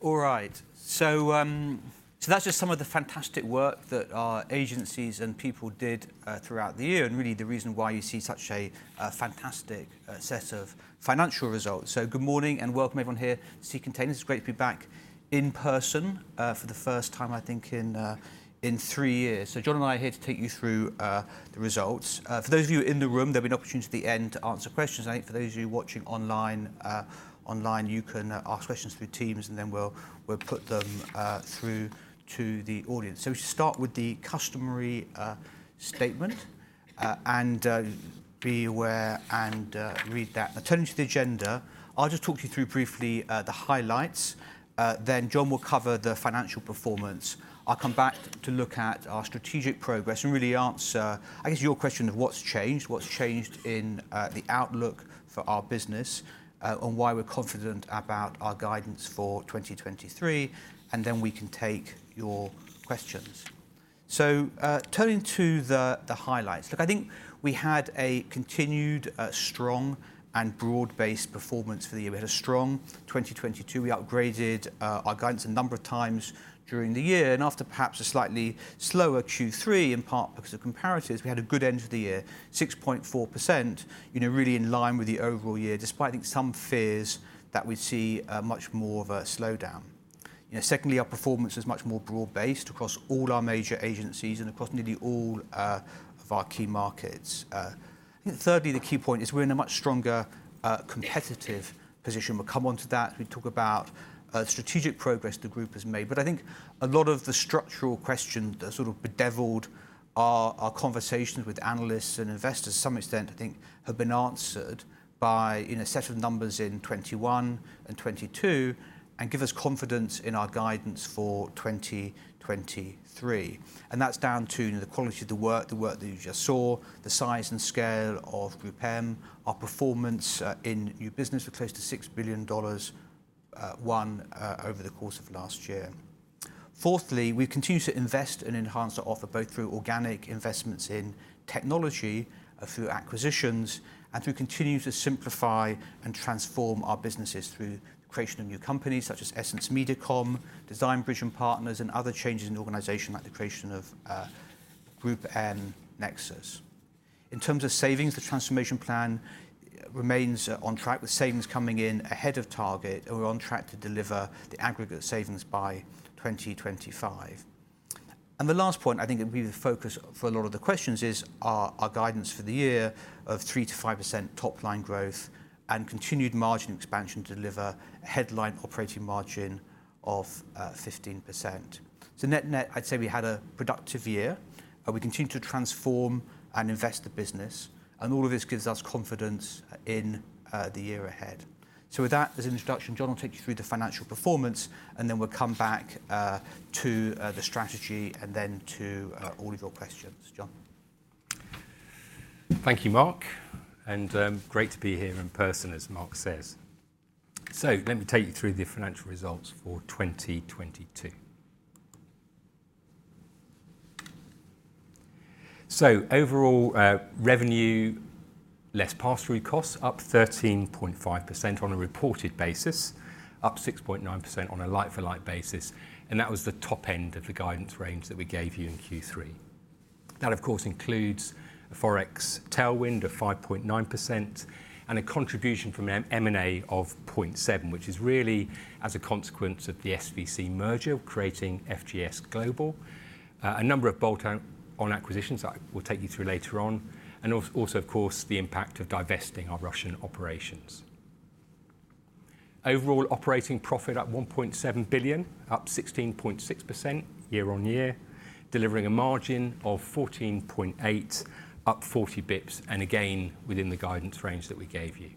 All right. That's just some of the fantastic work that our agencies and people did throughout the year, and really the reason why you see such a fantastic set of financial results. Good morning and welcome everyone here to Sea Containers. It's great to be back in person for the first time I think in three years. John and I are here to take you through the results. For those of you in the room, there'll be an opportunity at the end to answer questions. I think for those of you watching online, you can ask questions through Teams, and then we'll put them through to the audience. To start with the customary statement, and be aware and read that. Turning to the agenda, I'll just talk you through briefly the highlights, then John will cover the financial performance. I'll come back to look at our strategic progress and really answer, I guess, your question of what's changed in the outlook for our business, and why we're confident about our guidance for 2023, then we can take your questions. Turning to the highlights. Look, I think we had a continued strong and broad-based performance for the year. We had a strong 2022. We upgraded our guidance a number of times during the year, after perhaps a slightly slower Q3, in part because of comparatives, we had a good end to the year. 6.4%, you know, really in line with the overall year, despite some fears that we'd see much more of a slowdown. You know, secondly, our performance is much more broad-based across all our major agencies and across nearly all of our key markets. I think thirdly, the key point is we're in a much stronger competitive position. We'll come onto that as we talk about strategic progress the group has made. I think a lot of the structural questions that sort of bedeviled our conversations with analysts and investors to some extent, I think, have been answered by, you know, a set of numbers in 21 and 22 and give us confidence in our guidance for 2023. That's down to the quality of the work, the work that you just saw, the size and scale of GroupM, our performance in new business. We're close to $6 billion won over the course of last year. Fourthly, we continue to invest and enhance our offer both through organic investments in technology, through acquisitions, and through continuing to simplify and transform our businesses through creation of new companies such as EssenceMediacom, Design Bridge and Partners, and other changes in the organization like the creation of GroupM Nexus. In terms of savings, the transformation plan remains on track with savings coming in ahead of target, and we're on track to deliver the aggregate savings by 2025. The last point I think that will be the focus for a lot of the questions is our guidance for the year of 3%-5% top-line growth and continued margin expansion to deliver a headline operating margin of 15%. Net net, I'd say we had a productive year, we continue to transform and invest the business, and all of this gives us confidence in the year ahead. With that as an introduction, John will take you through the financial performance, and then we'll come back to the strategy and then to all of your questions. John. Thank you, Mark, and great to be here in person, as Mark says. Let me take you through the financial results for 2022. Overall, revenue less pass-through costs up 13.5% on a reported basis, up 6.9% on a like-for-like basis, and that was the top end of the guidance range that we gave you in Q3. That of course, includes a Forex tailwind of 5.9% and a contribution from M&A of 0.7%, which is really as a consequence of the SVC merger, creating FGS Global. A number of bolt-on acquisitions that I will take you through later on. Also, of course, the impact of divesting our Russian operations. Overall operating profit up 1.7 billion, up 16.6% year-on-year, delivering a margin of 14.8%, up 40 basis points. Again, within the guidance range that we gave you.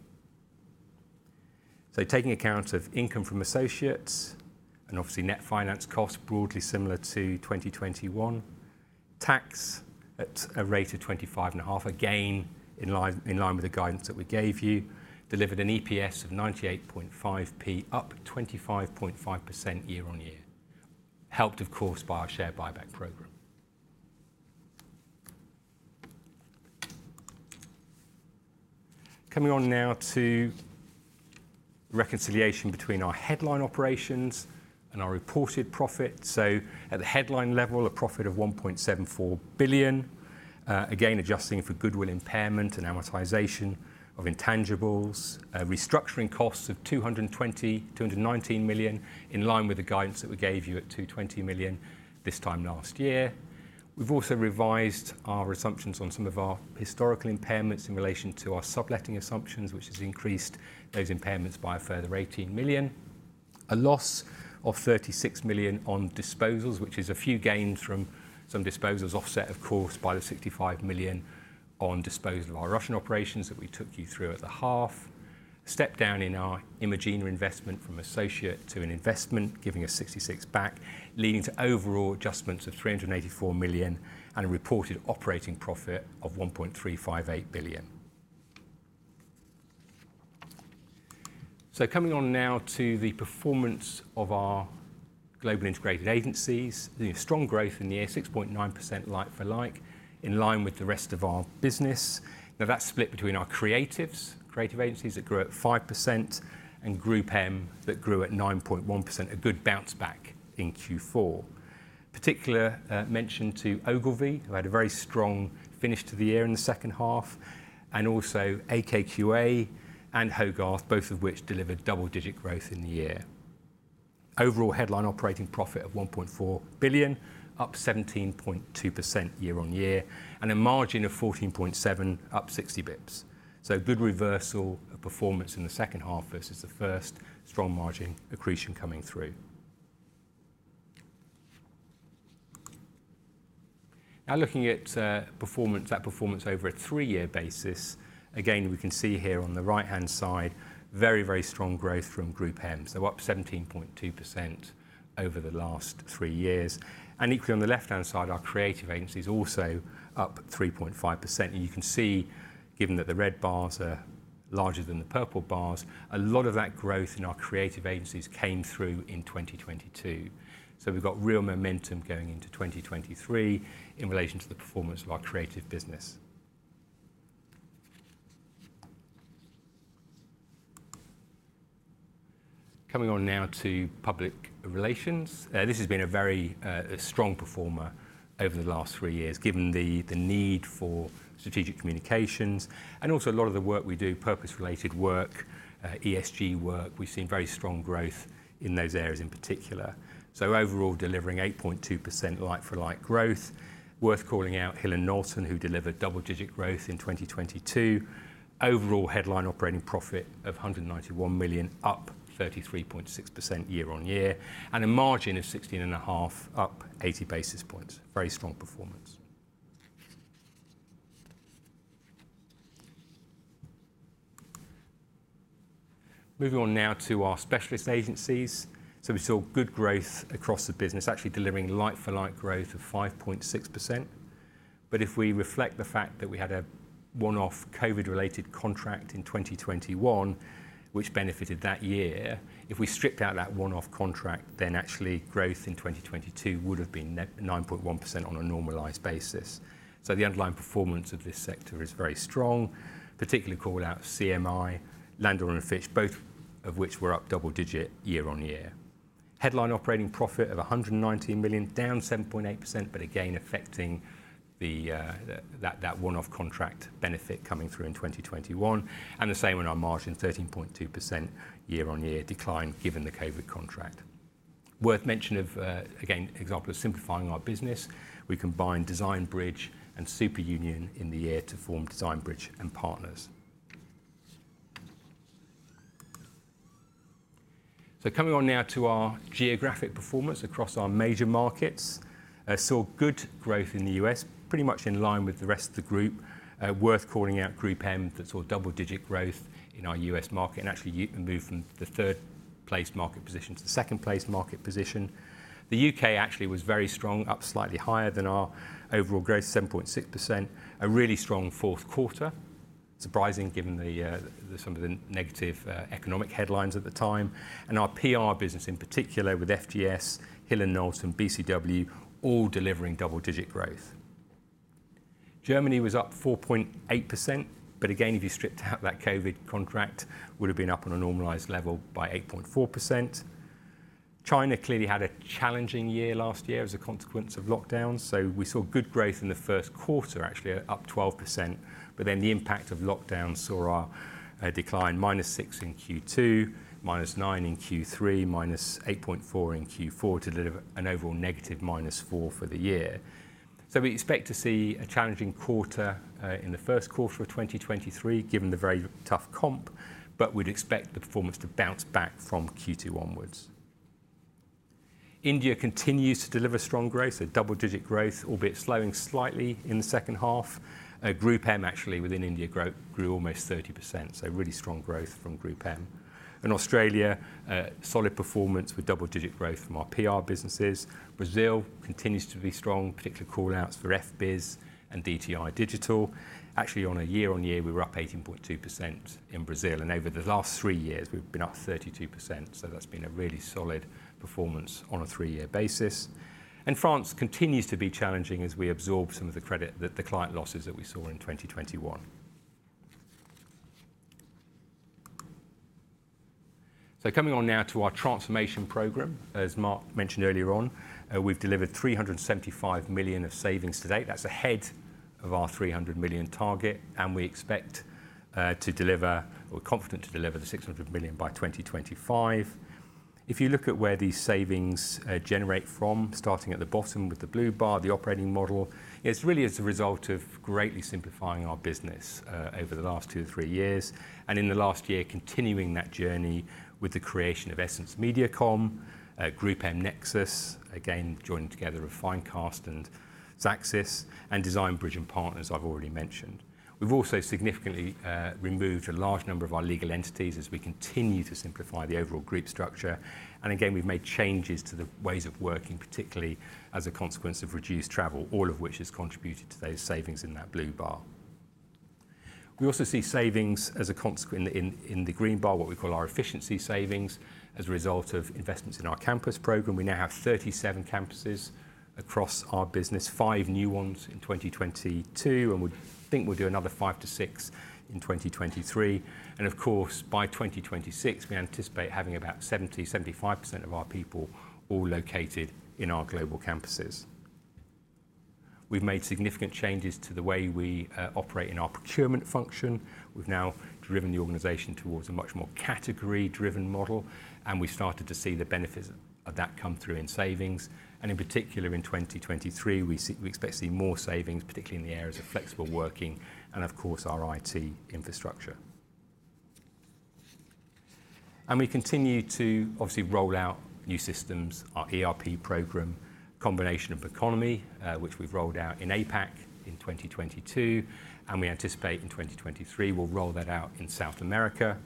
Taking account of income from associates and obviously net finance costs broadly similar to 2021. Tax at a rate of 25.5%, again in line with the guidance that we gave you. Delivered an EPS of 0.985, up 25.5% year-on-year. Helped, of course, by our share buyback program. Coming on now to reconciliation between our headline operations and our reported profit. At the headline level, a profit of 1.74 billion. Again, adjusting for goodwill impairment and amortization of intangibles. Restructuring costs of 219 million, in line with the guidance that we gave you at 220 million this time last year. We've also revised our assumptions on some of our historical impairments in relation to our subletting assumptions, which has increased those impairments by a further 18 million. A loss of 36 million on disposals, which is a few gains from some disposals offset, of course, by the 65 million on disposal of our Russian operations that we took you through at the half. Step down in our Imagina investment from associate to an investment, giving us 66 back, leading to overall adjustments of 384 million and a reported operating profit of 1.358 billion. Coming on now to the performance of our global integrated agencies, you know, strong growth in the year, 6.9% like-for-like, in line with the rest of our business. That's split between our creatives, creative agencies that grew at 5% and GroupM that grew at 9.1%, a good bounce back in Q4. Particular mention to Ogilvy, who had a very strong finish to the year in the second half, and also AKQA and Hogarth, both of which delivered double-digit growth in the year. Overall headline operating profit of 1.4 billion, up 17.2% year-over-year, and a margin of 14.7%, up 60 basis points. Good reversal of performance in the second half versus the first strong margin accretion coming through. Now looking at performance, that performance over a three-year basis, again, we can see here on the right-hand side very, very strong growth from GroupM. Up 17.2% over the last three years. Equally on the left-hand side, our creative agencies also up 3.5%. You can see, given that the red bars are larger than the purple bars, a lot of that growth in our creative agencies came through in 2022. We've got real momentum going into 2023 in relation to the performance of our creative business. Coming on now to public relations. This has been a very strong performer over the last three years, given the need for strategic communications and also a lot of the work we do, purpose-related work, ESG work. We've seen very strong growth in those areas in particular. Overall, delivering 8.2% like-for-like growth. Worth calling out Hill+Knowlton, who delivered double-digit growth in 2022. Overall headline operating profit of 191 million, up 33.6% year-on-year, and a margin of 16.5%, up 80 basis points. Very strong performance. Moving on now to our specialist agencies. We saw good growth across the business, actually delivering like-for-like growth of 5.6%. If we reflect the fact that we had a one-off COVID-related contract in 2021, which benefited that year, if we stripped out that one-off contract, then actually growth in 2022 would have been 9.1% on a normalized basis. The underlying performance of this sector is very strong. Particularly call out CMI, Landor & Fitch, both of which were up double-digit year-on-year. Headline operating profit of 119 million, down 7.8%, again affecting the one-off contract benefit coming through in 2021. The same on our margin, 13.2% year-on-year decline given the COVID contract. Worth mention of, again, example of simplifying our business. We combined Design Bridge and Superunion in the year to form Design Bridge and Partners. Coming on now to our geographic performance across our major markets. I saw good growth in the U.S., pretty much in line with the rest of the group. Worth calling out GroupM that saw double-digit growth in our U.S. market, and actually moved from the third place market position to the second place market position. The U.K. actually was very strong, up slightly higher than our overall growth, 7.6%. A really strong fourth quarter. Surprising given the some of the negative economic headlines at the time. Our PR business in particular with FTS, Hill+Knowlton, BCW all delivering double-digit growth. Germany was up 4.8%. Again, if you stripped out that COVID contract, would have been up on a normalized level by 8.4%. China clearly had a challenging year last year as a consequence of lockdowns. We saw good growth in the first quarter, actually up 12%, but then the impact of lockdowns saw a decline, -6% in Q2, -9% in Q3, -8.4% in Q4 to deliver an overall negative -4% for the year. We expect to see a challenging quarter in the first quarter of 2023, given the very tough comp, but we'd expect the performance to bounce back from Q2 onwards. India continues to deliver strong growth, so double-digit growth, albeit slowing slightly in the second half. GroupM actually within India grew almost 30%, so really strong growth from GroupM. In Australia, a solid performance with double-digit growth from our PR businesses. Brazil continues to be strong, particular call outs for F.biz and DTI Digital. Actually, on a year-on-year, we were up 18.2% in Brazil, and over the last three years, we've been up 32%. That's been a really solid performance on a three-year basis. France continues to be challenging as we absorb some of the client losses that we saw in 2021. Coming on now to our transformation program. As Mark mentioned earlier on, we've delivered 375 million of savings to date. That's ahead of our 300 million target, we expect to deliver or confident to deliver the 600 million by 2025. If you look at where these savings generate from, starting at the bottom with the blue bar, the operating model, it's really as a result of greatly simplifying our business over the last two, three years. In the last year, continuing that journey with the creation of EssenceMediacom, GroupM Nexus, again, joining together Finecast and Xaxis, Design Bridge and Partners I've already mentioned. We've also significantly removed a large number of our legal entities as we continue to simplify the overall group structure. Again, we've made changes to the ways of working, particularly as a consequence of reduced travel, all of which has contributed to those savings in that blue bar. We also see savings as a consequence in the green bar, what we call our efficiency savings, as a result of investments in our campus program. We now have 37 campuses across our business, five new ones in 2022, and we think we'll do another five to six in 2023. Of course, by 2026, we anticipate having about 70%-75% of our people all located in our global campuses. We've made significant changes to the way we operate in our procurement function. We've now driven the organization towards a much more category-driven model, and we started to see the benefits of that come through in savings. In particular, in 2023, we expect to see more savings, particularly in the areas of flexible working and of course, our IT infrastructure. We continue to obviously roll out new systems, our ERP program, combination of Economy, which we've rolled out in APAC in 2022, and we anticipate in 2023, we'll roll that out in South America.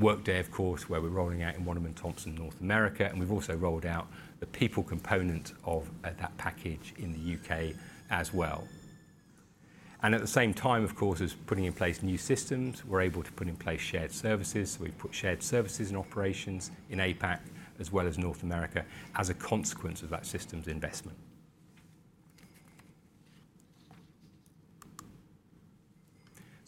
Workday, of course, where we're rolling out in Wunderman Thompson North America, and we've also rolled out the people component of that package in the U.K. as well. At the same time, of course, as putting in place new systems, we're able to put in place shared services. We put shared services and operations in APAC as well as North America as a consequence of that systems investment.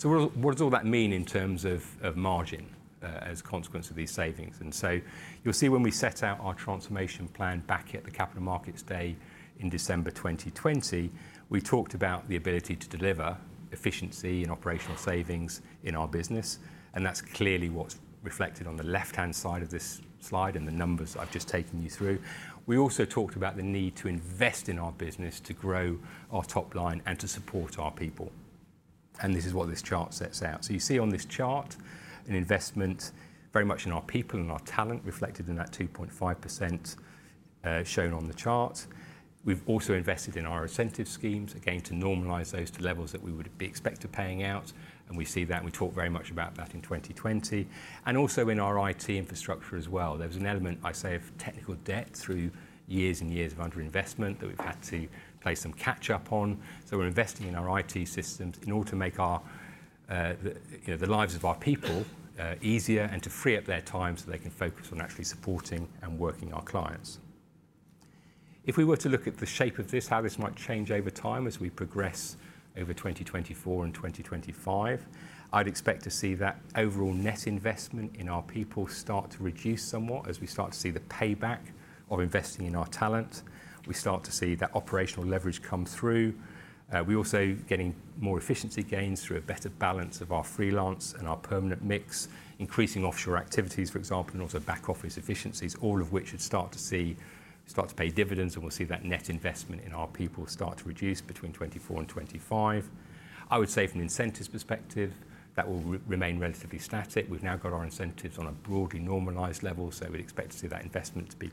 What does all that mean in terms of margin as a consequence of these savings? You'll see when we set out our transformation plan back at the Capital Markets Day in December 2020, we talked about the ability to deliver efficiency and operational savings in our business, and that's clearly what's reflected on the left-hand side of this slide and the numbers I've just taken you through. We also talked about the need to invest in our business to grow our top line and to support our people. This is what this chart sets out. You see on this chart an investment very much in our people and our talent reflected in that 2.5% shown on the chart. We've also invested in our incentive schemes, again, to normalize those to levels that we would be expect to paying out, and we see that, and we talked very much about that in 2020. Also in our IT infrastructure as well. There was an element, I say, of technical debt through years and years of underinvestment that we've had to play some catch up on. We're investing in our IT systems in order to make our, the, you know, the lives of our people easier and to free up their time so they can focus on actually supporting and working our clients. If we were to look at the shape of this, how this might change over time as we progress over 2024 and 2025, I'd expect to see that overall net investment in our people start to reduce somewhat as we start to see the payback of investing in our talent. We start to see that operational leverage come through. We're also getting more efficiency gains through a better balance of our freelance and our permanent mix, increasing offshore activities, for example, and also back office efficiencies, all of which should start to pay dividends, and we'll see that net investment in our people start to reduce between 24 and 25. I would say from an incentives perspective, that will remain relatively static. We've now got our incentives on a broadly normalized level. We'd expect to see that investment to be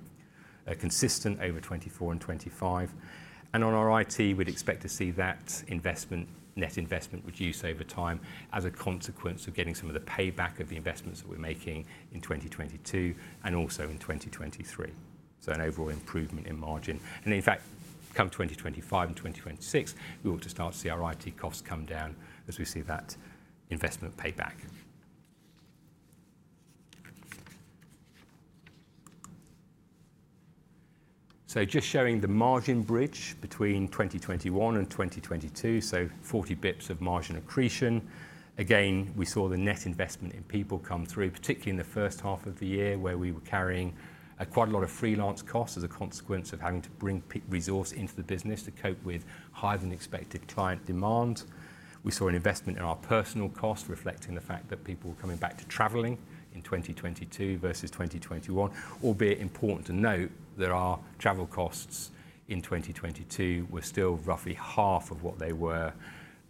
consistent over 2024 and 2025. On our IT, we'd expect to see that investment, net investment reduce over time as a consequence of getting some of the payback of the investments that we're making in 2022 and also in 2023. An overall improvement in margin. In fact, come 2025 and 2026, we ought to start to see our IT costs come down as we see that investment pay back. Just showing the margin bridge between 2021 and 2022, so 40 basis points of margin accretion. We saw the net investment in people come through, particularly in the first half of the year where we were carrying quite a lot of freelance costs as a consequence of having to bring resource into the business to cope with higher-than-expected client demand. We saw an investment in our personal cost reflecting the fact that people were coming back to traveling in 2022 versus 2021, albeit important to note that our travel costs in 2022 were still roughly half of what they were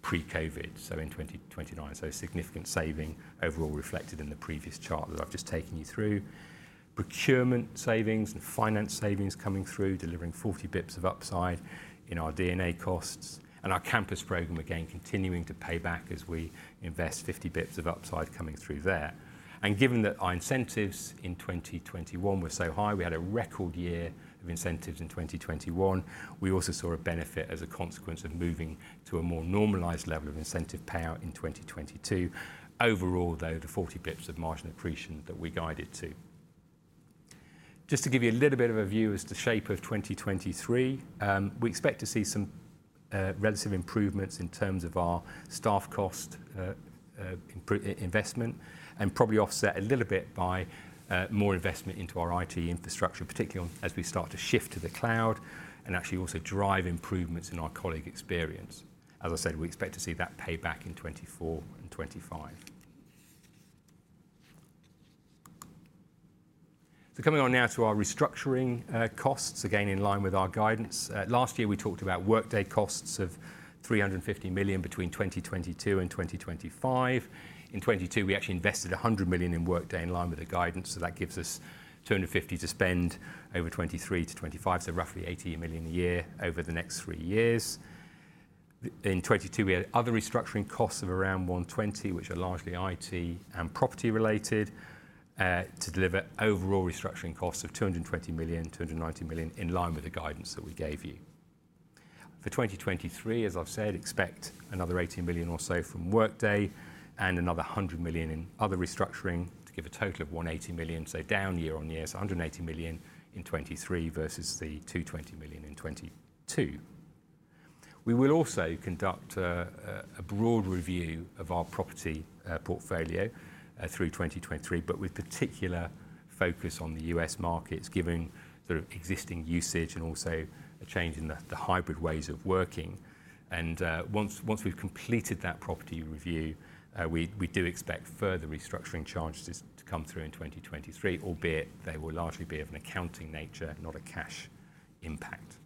pre-COVID, so in 2029. A significant saving overall reflected in the previous chart that I've just taken you through. Procurement savings and finance savings coming through, delivering 40 bips of upside in our D&A costs and our campus program, again, continuing to pay back as we invest 50 bips of upside coming through there. Given that our incentives in 2021 were so high, we had a record year of incentives in 2021. We also saw a benefit as a consequence of moving to a more normalized level of incentive payout in 2022. Overall, though, the 40 basis points of margin accretion that we guided to. Just to give you a little bit of a view as to the shape of 2023, we expect to see some relative improvements in terms of our staff cost investment and probably offset a little bit by more investment into our IT infrastructure, particularly as we start to shift to the cloud and actually also drive improvements in our colleague experience. As I said, we expect to see that pay back in 2024 and 2025. Coming on now to our restructuring costs. Again, in line with our guidance. Last year, we talked about Workday costs of 350 million between 2022 and 2025. In 2022, we actually invested 100 million in Workday in line with the guidance. That gives us 250 million to spend over 2023-2025, so roughly 80 million a year over the next three years. In 2022, we had other restructuring costs of around 120 million, which are largely IT and property-related, to deliver overall restructuring costs of 220 million, 290 million in line with the guidance that we gave you. For 2023, as I've said, expect another 80 million or so from Workday and another 100 million in other restructuring to give a total of 180 million, so down year-over-year. 180 million in 2023 versus the 220 million in 2022. We will also conduct a broad review of our property portfolio through 2023, but with particular focus on the U.S. markets, given the existing usage and also a change in the hybrid ways of working. Once we've completed that property review, we do expect further restructuring charges to come through in 2023, albeit they will largely be of an accounting nature, not a cash impact.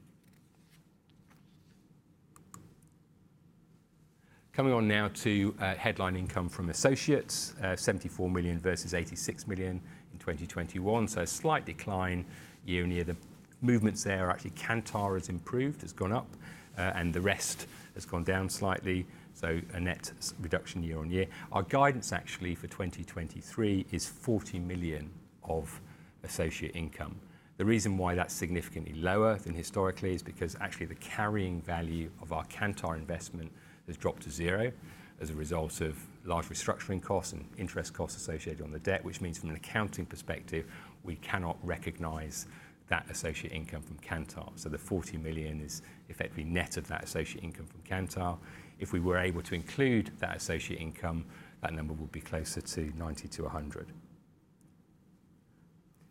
Coming on now to headline income from associates, 74 million versus 86 million in 2021. A slight decline year-on-year. The movements there are actually Kantar has improved, has gone up, and the rest has gone down slightly, a net reduction year-on-year. Our guidance actually for 2023 is 40 million of associate income. The reason why that's significantly lower than historically is because actually the carrying value of our Kantar investment has dropped to zero as a result of large restructuring costs and interest costs associated on the debt, which means from an accounting perspective, we cannot recognize that associate income from Kantar. The 40 million is effectively net of that associate income from Kantar. If we were able to include that associate income, that number would be closer to 90 million-100 million.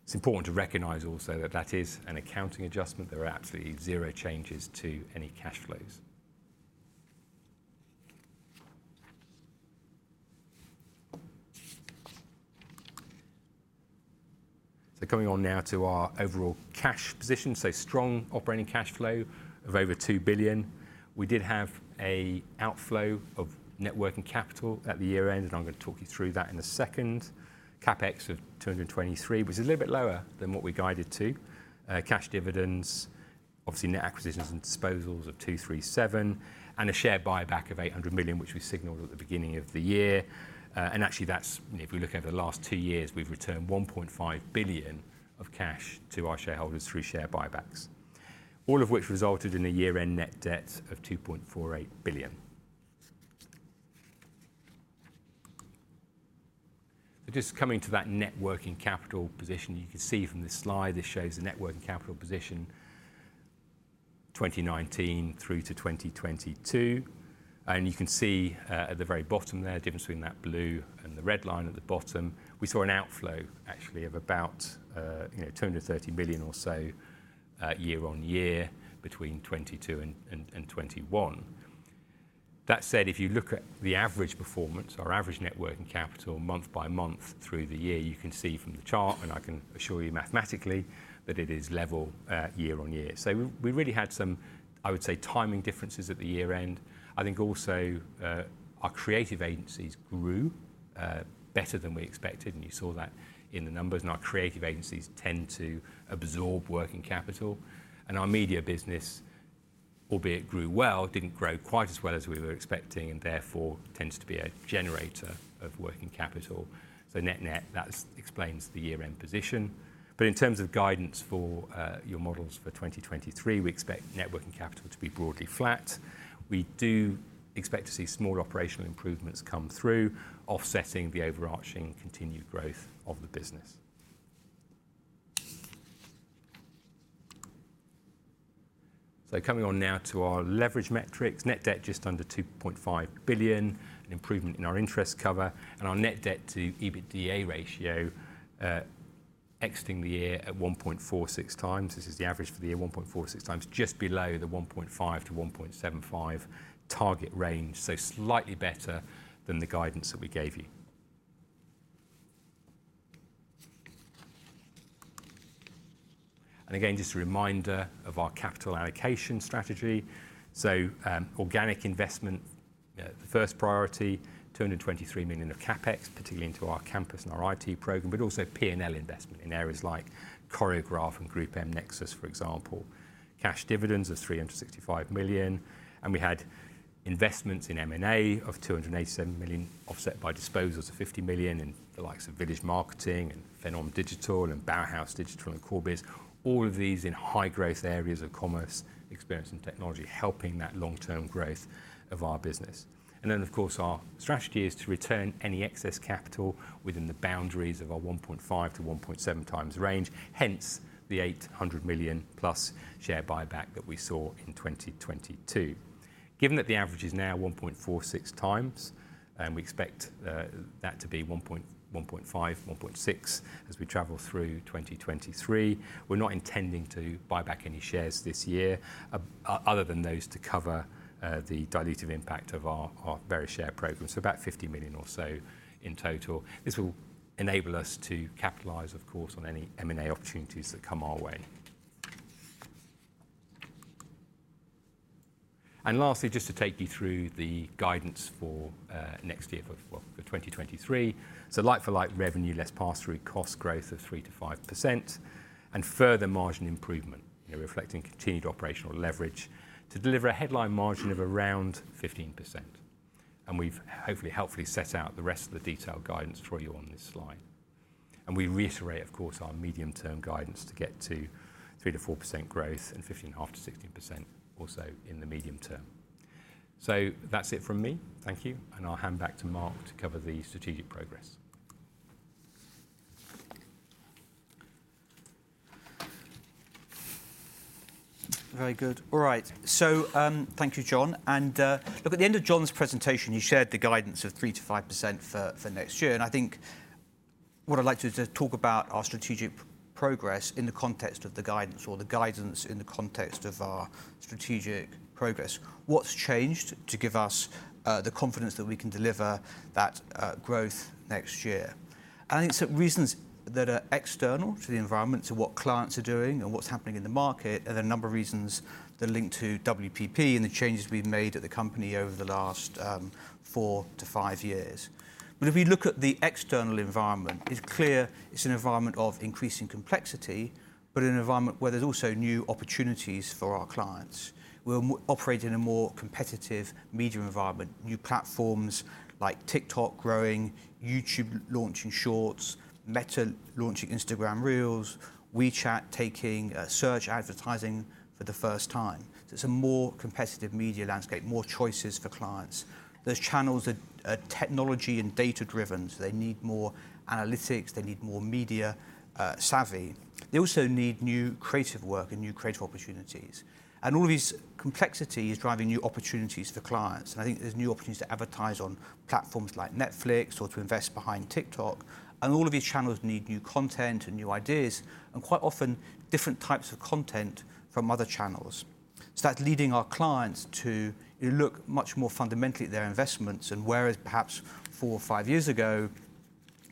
It's important to recognize also that that is an accounting adjustment. There are absolutely zero changes to any cash flows. Coming on now to our overall cash position, strong operating cash flow of over 2 billion. We did have an outflow of net working capital at the year-end. I'm gonna talk you through that in a second. CapEx of 223 million, which is a little bit lower than what we guided to. Cash dividends, obviously net acquisitions and disposals of 237 million, and a share buyback of 800 million, which we signaled at the beginning of the year. Actually, if we look at the last two years, we've returned 1.5 billion of cash to our shareholders through share buybacks. All of which resulted in a year-end net debt of 2.48 billion. Just coming to that net working capital position. You can see from this slide, this shows the net working capital position 2019 through to 2022. You can see, at the very bottom there, difference between that blue and the red line at the bottom, we saw an outflow actually of about, you know, 230 million or so, year-on-year between 2022 and 2021. That said, if you look at the average performance, our average net working capital month by month through the year, you can see from the chart, and I can assure you mathematically, that it is level, year-on-year. We really had some, I would say, timing differences at the year-end. I think also, our creative agencies grew better than we expected, and you saw that in the numbers, and our creative agencies tend to absorb working capital. Our media business, albeit grew well, didn't grow quite as well as we were expecting, and therefore tends to be a generator of working capital. Net-net, that explains the year-end position. In terms of guidance for your models for 2023, we expect net working capital to be broadly flat. We do expect to see small operational improvements come through, offsetting the overarching continued growth of the business. Coming on now to our leverage metrics. Net debt just under 2.5 billion. An improvement in our interest cover and our net debt to EBITDA ratio, exiting the year at 1.46 times. This is the average for the year, 1.46 times, just below the 1.5-1.75 target range. Slightly better than the guidance that we gave you. Again, just a reminder of our capital allocation strategy. Organic investment, the first priority, 223 million of CapEx, particularly into our campus and our IT program, but also P&L investment in areas like Choreograph and GroupM Nexus, for example. Cash dividends of 365 million. We had investments in M&A of 287 million, offset by disposals of 50 million in the likes of Village Marketing and Fēnom Digital and Bower House Digital and Corebiz. All of these in high-growth areas of commerce, experience, and technology, helping that long-term growth of our business. Of course, our strategy is to return any excess capital within the boundaries of our 1.5-1.7 times range, hence the 800 million-plus share buyback that we saw in 2022. Given that the average is now 1.46 times, and we expect that to be 1.5, 1.6 as we travel through 2023, we're not intending to buy back any shares this year other than those to cover the dilutive impact of our vesting share program, so about 50 million or so in total. This will enable us to capitalize, of course, on any M&A opportunities that come our way. Lastly, just to take you through the guidance for next year for 2023. Like-for-like revenue, less pass-through cost growth of 3%-5% and further margin improvement, you know, reflecting continued operational leverage to deliver a headline margin of around 15%. We've hopefully helpfully set out the rest of the detailed guidance for you on this slide. We reiterate, of course, our medium-term guidance to get to 3%-4% growth and 15.5%-16% also in the medium-term. That's it from me. Thank you, and I'll hand back to Mark to cover the strategic progress. Very good. All right. Thank you, John. Look, at the end of John's presentation, he shared the guidance of 3%-5% for next year. I think what I'd like to just talk about our strategic progress in the context of the guidance or the guidance in the context of our strategic progress. What's changed to give us the confidence that we can deliver that growth next year? I think some reasons that are external to the environment, to what clients are doing, and what's happening in the market, and there are a number of reasons that are linked to WPP and the changes we've made at the company over the last four to five years. If we look at the external environment, it's clear it's an environment of increasing complexity, but an environment where there's also new opportunities for our clients. We operate in a more competitive media environment, new platforms like TikTok growing, YouTube launching Shorts, Meta launching Instagram Reels, WeChat taking search advertising for the first time. It's a more competitive media landscape, more choices for clients. There's channels that are technology and data-driven, so they need more analytics, they need more media savvy. They also need new creative work and new creative opportunities. All of these complexity is driving new opportunities for clients. I think there's new opportunities to advertise on platforms like Netflix or to invest behind TikTok. All of these channels need new content and new ideas, and quite often, different types of content from other channels. That's leading our clients to look much more fundamentally at their investments. Whereas perhaps four or five years ago,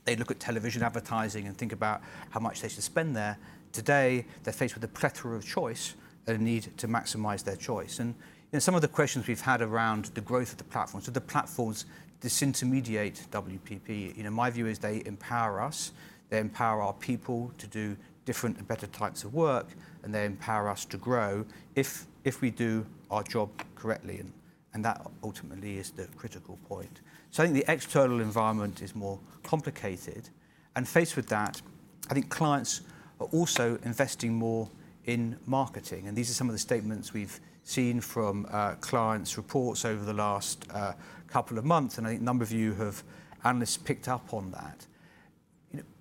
they look at television advertising and think about how much they should spend there. Today, they're faced with a plethora of choice and a need to maximize their choice. You know, some of the questions we've had around the growth of the platforms. Do the platforms disintermediate WPP? You know, my view is they empower us, they empower our people to do different and better types of work, and they empower us to grow if we do our job correctly, and that ultimately is the critical point. I think the external environment is more complicated. Faced with that, I think clients are also investing more in marketing. These are some of the statements we've seen from clients' reports over the last couple of months. I think a number of you have, analysts, picked up on that.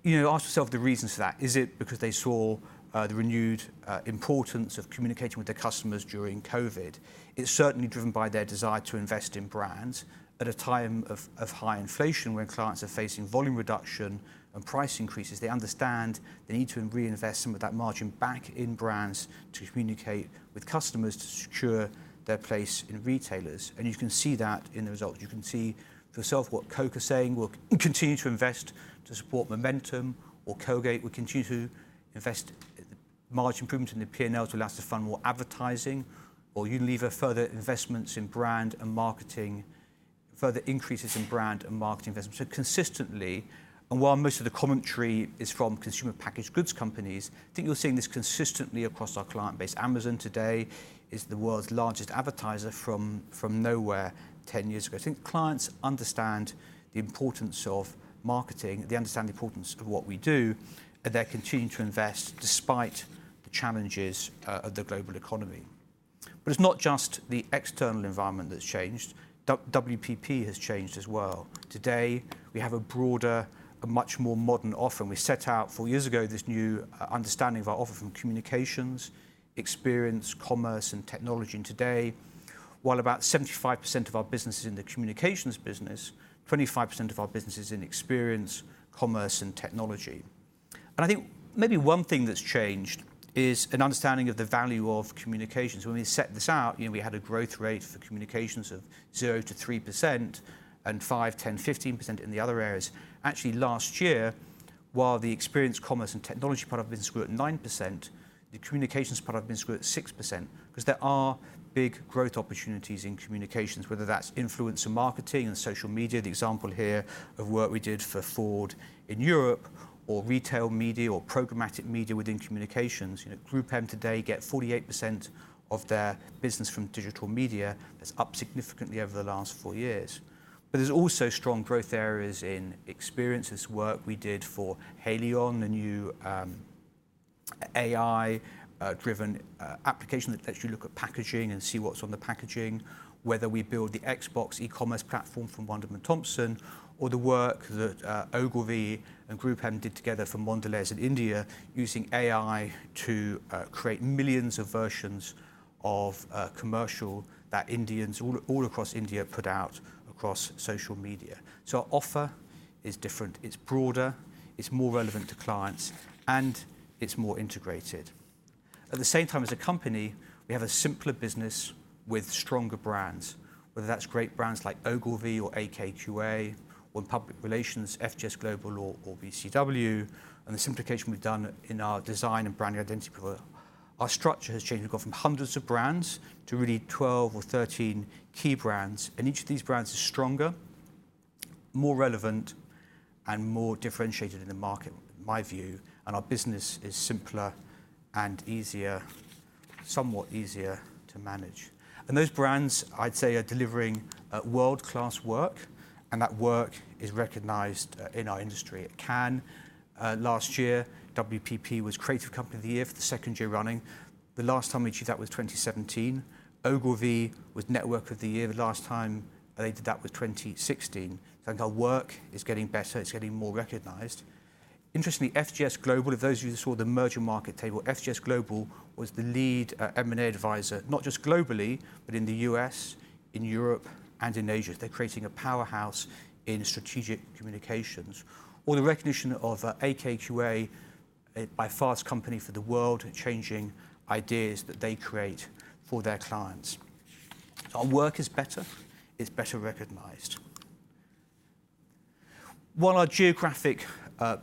You know, ask yourself the reasons for that. Is it because they saw the renewed importance of communicating with their customers during COVID? It's certainly driven by their desire to invest in brands at a time of high inflation when clients are facing volume reduction and price increases. They understand they need to reinvest some of that margin back in brands to communicate with customers to secure their place in retailers. You can see that in the results. You can see for yourself what Coke are saying, "We'll continue to invest to support momentum," or Colgate, "We'll continue to invest margin improvement in the P&L to allow us to fund more advertising," or Unilever, "Further investments in brand and marketing... further increases in brand and marketing investment." Consistently, and while most of the commentary is from consumer packaged goods companies, I think you're seeing this consistently across our client base. Amazon today is the world's largest advertiser from nowhere 10 years ago. I think clients understand the importance of marketing, they understand the importance of what we do, and they're continuing to invest despite the challenges of the global economy. It's not just the external environment that's changed. WPP has changed as well. Today, we have a broader, a much more modern offer, and we set out four years ago this new understanding of our offer from communications, experience, commerce, and technology. Today, while about 75% of our business is in the communications business, 25% of our business is in experience, commerce, and technology. I think maybe one thing that's changed is an understanding of the value of communications. When we set this out, you know, we had a growth rate for communications of 0%-3% and 5%, 10%, 15% in the other areas. Last year, while the experience, commerce, and technology part of the business grew at 9%, the communications part of the business grew at 6%, 'cause there are big growth opportunities in communications, whether that's influencer marketing and social media. The example here of work we did for Ford in Europe or retail media or programmatic media within communications. You know, GroupM today get 48% of their business from digital media. That's up significantly over the last four years. There's also strong growth areas in experiences work we did for Haleon, the new AI-driven application that lets you look at packaging and see what's on the packaging, whether we build the Xbox e-commerce platform from Wunderman Thompson or the work that Ogilvy and GroupM did together for Mondelez in India using AI to create millions of versions of a commercial that Indians all across India put out across social media. Our offer is different. It's broader, it's more relevant to clients, and it's more integrated. At the same time, as a company, we have a simpler business with stronger brands, whether that's great brands like Ogilvy or AKQA, or in public relations, FGS Global or BCW, and the simplification we've done in our design and brand new identity. Our structure has changed. We've gone from hundreds of brands to really 12 or 13 key brands, and each of these brands is stronger, more relevant, and more differentiated in the market, in my view. Our business is simpler and somewhat easier to manage. Those brands, I'd say, are delivering world-class work, and that work is recognized in our industry. At Cannes last year, WPP was Creative Company of the Year for the second year running. The last time we achieved that was 2017. Ogilvy was Network of the Year. The last time they did that was 2016. I think our work is getting better, it's getting more recognized. Interestingly, FGS Global, if those of you who saw the Mergermarket table, FGS Global was the lead M&A advisor, not just globally, but in the US, in Europe, and in Asia. They're creating a powerhouse in strategic communications. The recognition of AKQA by Fast Company for the world-changing ideas that they create for their clients. Our work is better, it's better recognized. While our geographic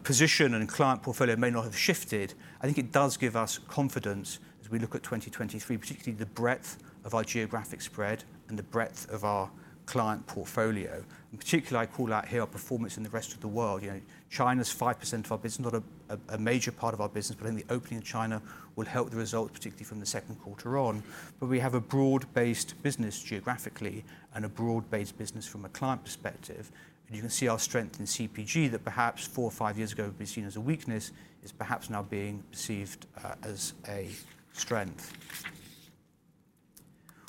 position and client portfolio may not have shifted, I think it does give us confidence as we look at 2023, particularly the breadth of our geographic spread and the breadth of our client portfolio. In particular, I call out here our performance in the rest of the world. You know, China's 5% of our business, not a major part of our business, but in the opening of China will help the results, particularly from the second quarter on. We have a broad-based business geographically and a broad-based business from a client perspective. You can see our strength in CPG that perhaps four or five years ago would be seen as a weakness, is perhaps now being perceived as a strength.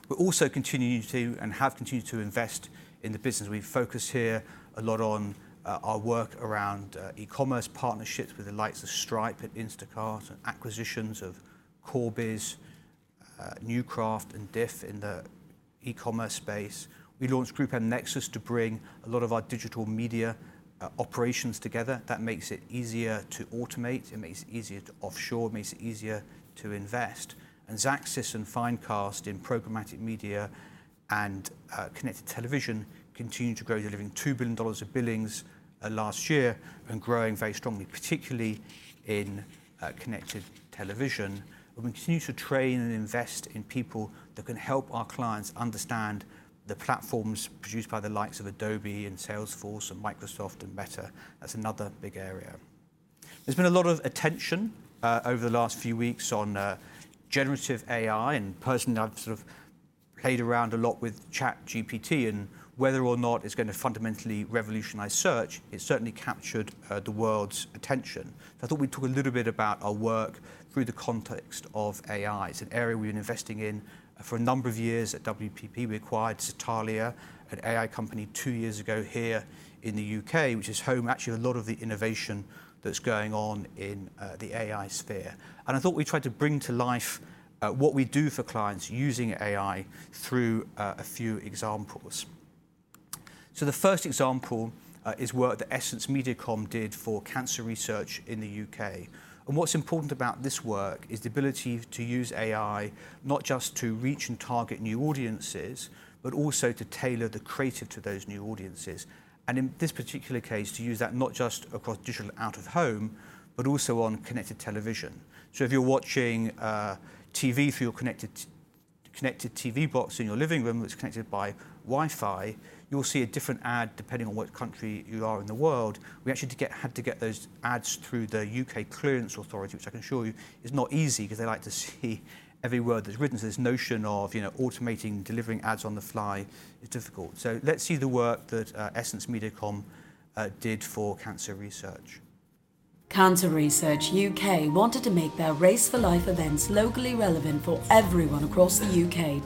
We're also continuing to, and have continued to, invest in the business. We've focused here a lot on our work around e-commerce partnerships with the likes of Stripe and Instacart, and acquisitions of Corebiz, Newcraft, and Diff in the e-commerce space. We launched GroupM Nexus to bring a lot of our digital media operations together. That makes it easier to automate, it makes it easier to offshore, it makes it easier to invest. Xaxis and Finecast in programmatic media and connected television continue to grow. Delivering $2 billion of billings last year and growing very strongly, particularly in connected television. We continue to train and invest in people that can help our clients understand the platforms produced by the likes of Adobe and Salesforce and Microsoft and Meta. That's another big area. There's been a lot of attention over the last few weeks on generative AI, and personally, I've sort of played around a lot with ChatGPT and whether or not it's gonna fundamentally revolutionize search. It's certainly captured the world's attention. I thought we'd talk a little bit about our work through the context of AI. It's an area we've been investing in for a number of years at WPP. We acquired Satalia, an AI company, two years ago here in the U.K., which is home, actually, to a lot of the innovation that's going on in the AI sphere. I thought we'd try to bring to life what we do for clients using AI through a few examples. The first example is work that EssenceMediacom did for Cancer Research in the U.K.. What's important about this work is the ability to use AI not just to reach and target new audiences, but also to tailor the creative to those new audiences. In this particular case, to use that not just across digital and out of home, but also on connected television. If you're watching TV through your connected TV box in your living room that's connected by Wi-Fi, you'll see a different ad depending on what country you are in the world. We actually had to get those ads through the U.K. clearance authority, which I can assure you is not easy 'cause they like to see every word that's written. This notion of, you know, automating delivering ads on the fly is difficult. Let's see the work that EssenceMediacom did for Cancer Research. Cancer Research UK wanted to make their Race for Life events locally relevant for everyone across the U.K..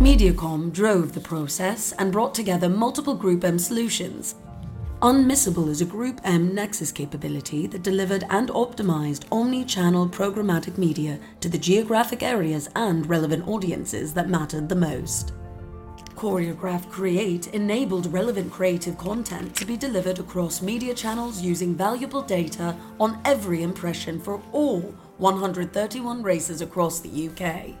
MediaCom drove the process and brought together multiple GroupM solutions. Unmissable is a GroupM Nexus capability that delivered and optimized omni-channel programmatic media to the geographic areas and relevant audiences that mattered the most. Choreograph Create enabled relevant creative content to be delivered across media channels using valuable data on every impression for all 131 races across the U.K..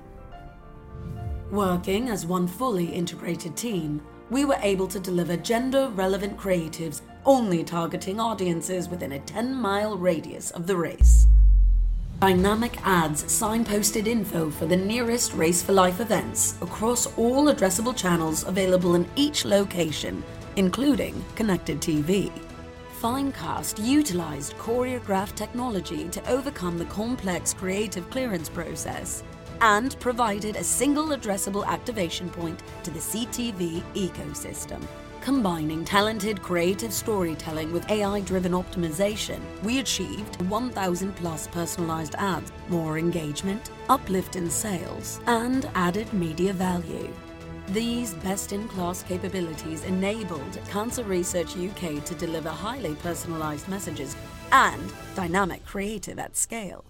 Working as one fully integrated team, we were able to deliver gender-relevant creatives only targeting audiences within a 10-mile radius of the race. Dynamic ads signposted info for the nearest Race for Life events across all addressable channels available in each location, including connected TV. Finecast utilized Choreograph technology to overcome the complex creative clearance process and provided a single addressable activation point to the CTV ecosystem. Combining talented creative storytelling with AI-driven optimization, we achieved 1,000+ personalized ads, more engagement, uplift in sales, and added media value. These best-in-class capabilities enabled Cancer Research UK to deliver highly personalized messages and dynamic creative at scale.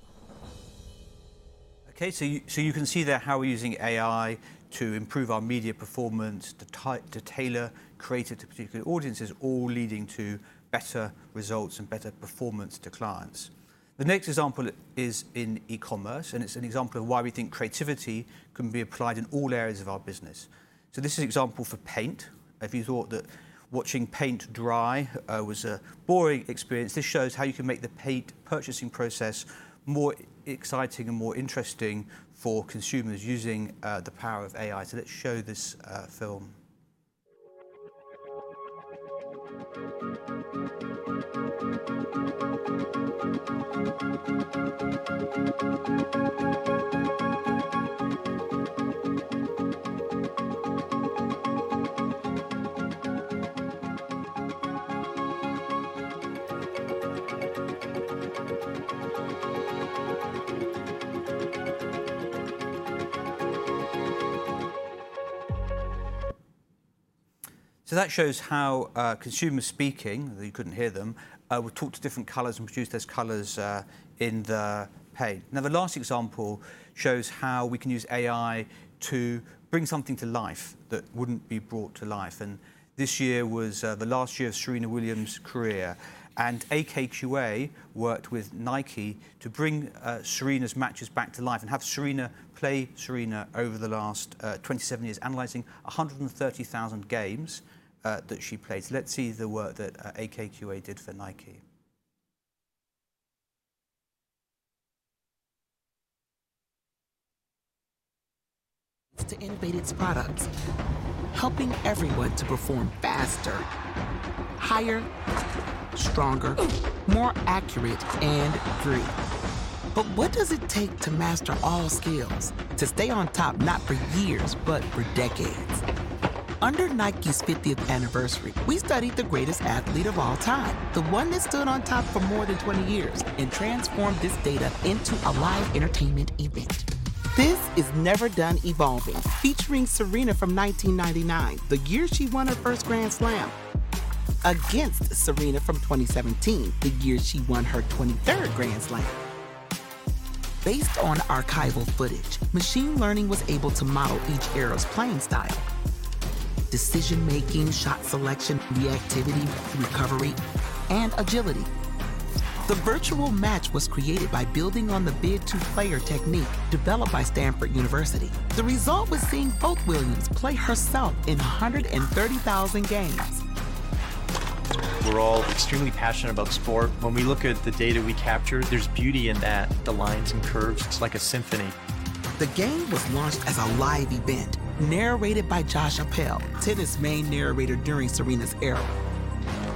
You can see there how we're using AI to improve our media performance, to tailor creative to particular audiences, all leading to better results and better performance to clients. The next example is in e-commerce, it's an example of why we think creativity can be applied in all areas of our business. This is an example for paint. If you thought that watching paint dry was a boring experience, this shows how you can make the paint purchasing process more exciting and more interesting for consumers using the power of AI. Let's show this film. That shows how consumers speaking, though you couldn't hear them, would talk to different colors and produce those colors in the paint. The last example shows how we can use AI to bring something to life that wouldn't be brought to life. This year was the last year of Serena Williams' career. AKQA worked with Nike to bring Serena's matches back to life and have Serena play Serena over the last 27 years, analyzing 130,000 games that she played. Let's see the work that AKQA did for Nike. To innovate its products, helping everyone to perform faster, higher, stronger, more accurate, and free. What does it take to master all skills? To stay on top not for years, but for decades. Under Nike's 50th anniversary, we studied the greatest athlete of all time, the one that stood on top for more than 20 years, and transformed this data into a live entertainment event. This is Never Done Evolving, featuring Serena from 1999, the year she won her first Grand Slam, against Serena from 2017, the year she won her 23rd Grand Slam. Based on archival footage, machine learning was able to model each era's playing style, decision-making, shot selection, reactivity, recovery, and agility. The virtual match was created by building on the Vid2Player technique developed by Stanford University. The result was seeing both Williams play herself in 130,000 games. We're all extremely passionate about sport. When we look at the data we capture, there's beauty in that. The lines and curves, it's like a symphony. The game was launched as a live event, narrated by Josh Appel, tennis main narrator during Serena's era.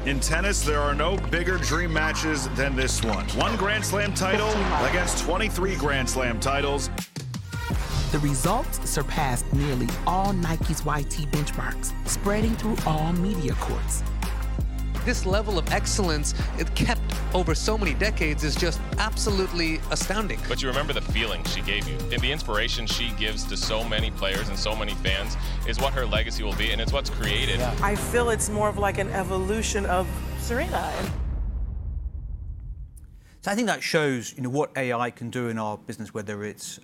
In tennis, there are no bigger dream matches than this one. One Grand Slam title against 23 Grand Slam titles. The results surpassed nearly all Nike's YT benchmarks, spreading through all media courts. This level of excellence it kept over so many decades is just absolutely astounding. You remember the feeling she gave you, and the inspiration she gives to so many players and so many fans is what her legacy will be, and it's what's created. Yeah. I feel it's more of like an evolution of Serena. I think that shows, you know, what AI can do in our business, whether it's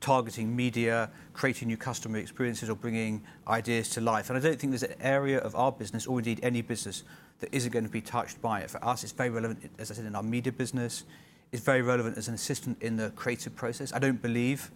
targeting media, creating new customer experiences, or bringing ideas to life. I don't think there's an area of our business or indeed any business that isn't gonna be touched by it. For us, it's very relevant, as I said, in our media business. It's very relevant as an assistant in the creative process. I don't believe,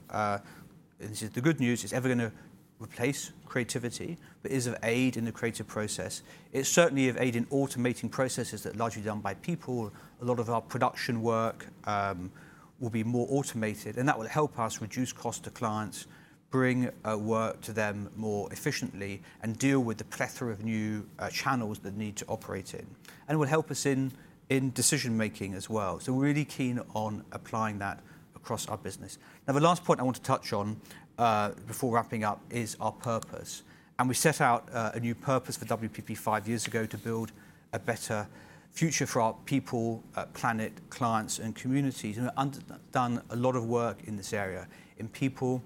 this is the good news, it's ever gonna replace creativity, but is of aid in the creative process. It's certainly of aid in automating processes that are largely done by people. A lot of our production work will be more automated, and that will help us reduce cost to clients, bring work to them more efficiently, and deal with the plethora of new channels that need to operate in. Will help us in decision-making as well. We're really keen on applying that across our business. The last point I want to touch on before wrapping up is our purpose. We set out a new purpose for WPP five years ago to build a better future for our people, planet, clients, and communities. We've done a lot of work in this area. In people,